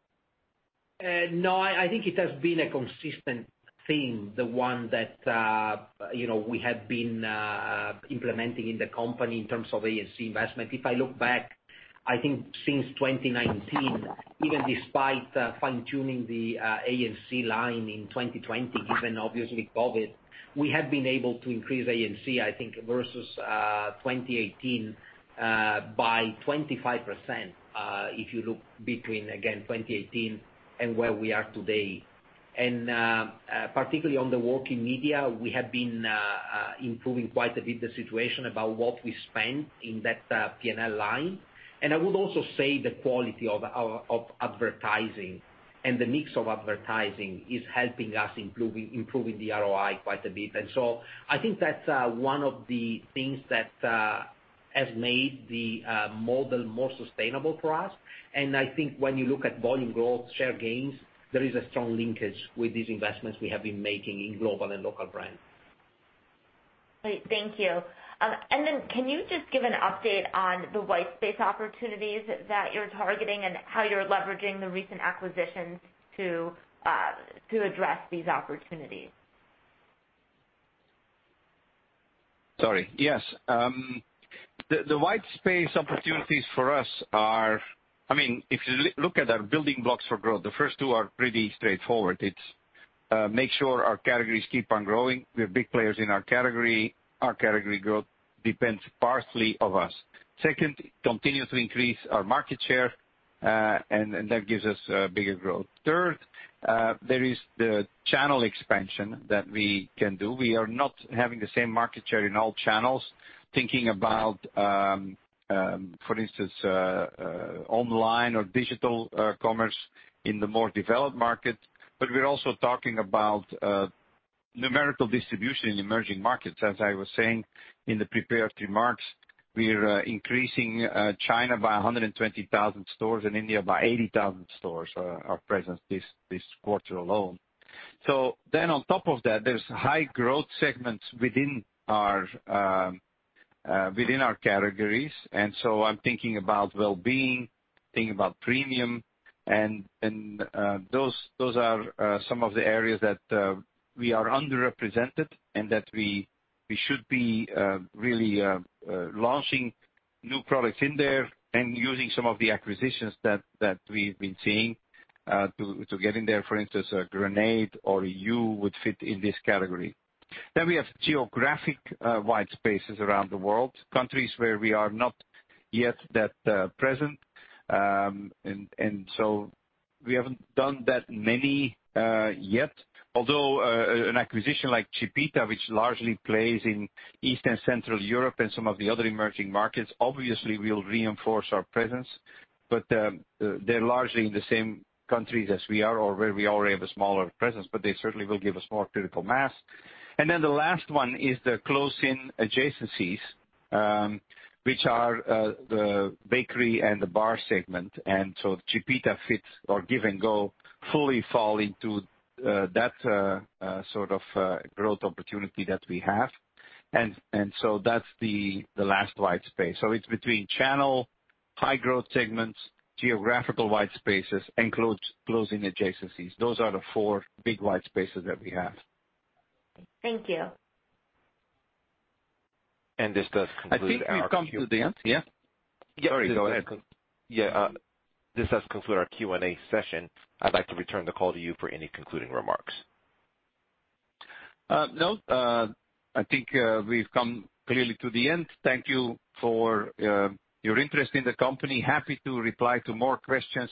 No, I think it has been a consistent theme, the one that, you know, we have been implementing in the company in terms of A&C investment. If I look back, I think since 2019, even despite fine-tuning the A&C line in 2020, given obviously COVID, we have been able to increase A&C, I think, versus 2018, by 25%, if you look between, again, 2018 and where we are today. Particularly on the working media, we have been improving quite a bit the situation about what we spend in that P&L line. I would also say the quality of our advertising and the mix of advertising is helping us improving the ROI quite a bit. I think that's one of the things that has made the model more sustainable for us. I think when you look at volume growth, share gains, there is a strong linkage with these investments we have been making in global and local brands. Great. Thank you. Can you just give an update on the white space opportunities that you're targeting and how you're leveraging the recent acquisitions to address these opportunities? Sorry. Yes. The white space opportunities for us are. I mean, if you look at our building blocks for growth, the first two are pretty straightforward. It's make sure our categories keep on growing. We're big players in our category. Our category growth depends partially on us. Second, continue to increase our market share, and that gives us a bigger growth. Third, there is the channel expansion that we can do. We are not having the same market share in all channels. Thinking about for instance online or digital commerce in the more developed markets. But we're also talking about numerical distribution in emerging markets. As I was saying in the prepared remarks, we're increasing our presence in China by 120,000 stores, in India by 80,000 stores this quarter alone. On top of that, there's high growth segments within our categories. I'm thinking about well-being, thinking about premium, and those are some of the areas that we are underrepresented and that we should be really launching new products in there and using some of the acquisitions that we've been seeing to get in there. For instance, Grenade or Hu would fit in this category. Then we have geographic white spaces around the world, countries where we are not yet that present. We haven't done that many yet. Although an acquisition like Chipita, which largely plays in Central and Eastern Europe and some of the other emerging markets, obviously will reinforce our presence, but they're largely in the same countries as we are or where we already have a smaller presence, but they certainly will give us more critical mass. The last one is the close-in adjacencies, which are the bakery and the bar segment. Chipita fits or Give & Go fully fall into that sort of growth opportunity that we have. That's the last white space. It's between channel, high growth segments, geographical white spaces, and close-in adjacencies. Those are the four big white spaces that we have. Thank you. This does conclude our Q&A session. I'd like to return the call to you for any concluding remarks. No, I think we've come clearly to the end. Thank you for your interest in the company. Happy to reply to more questions.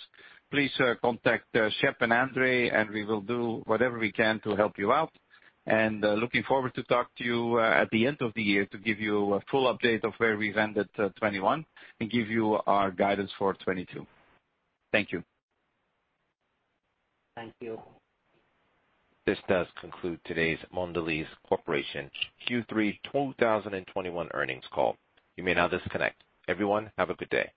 Please contact Shep and Andre, and we will do whatever we can to help you out. Looking forward to talk to you at the end of the year to give you a full update of where we've ended 2021 and give you our guidance for 2022. Thank you. Thank you. This does conclude today's Mondelez International Q3 2021 Earnings Call. You may now disconnect. Everyone, have a good day.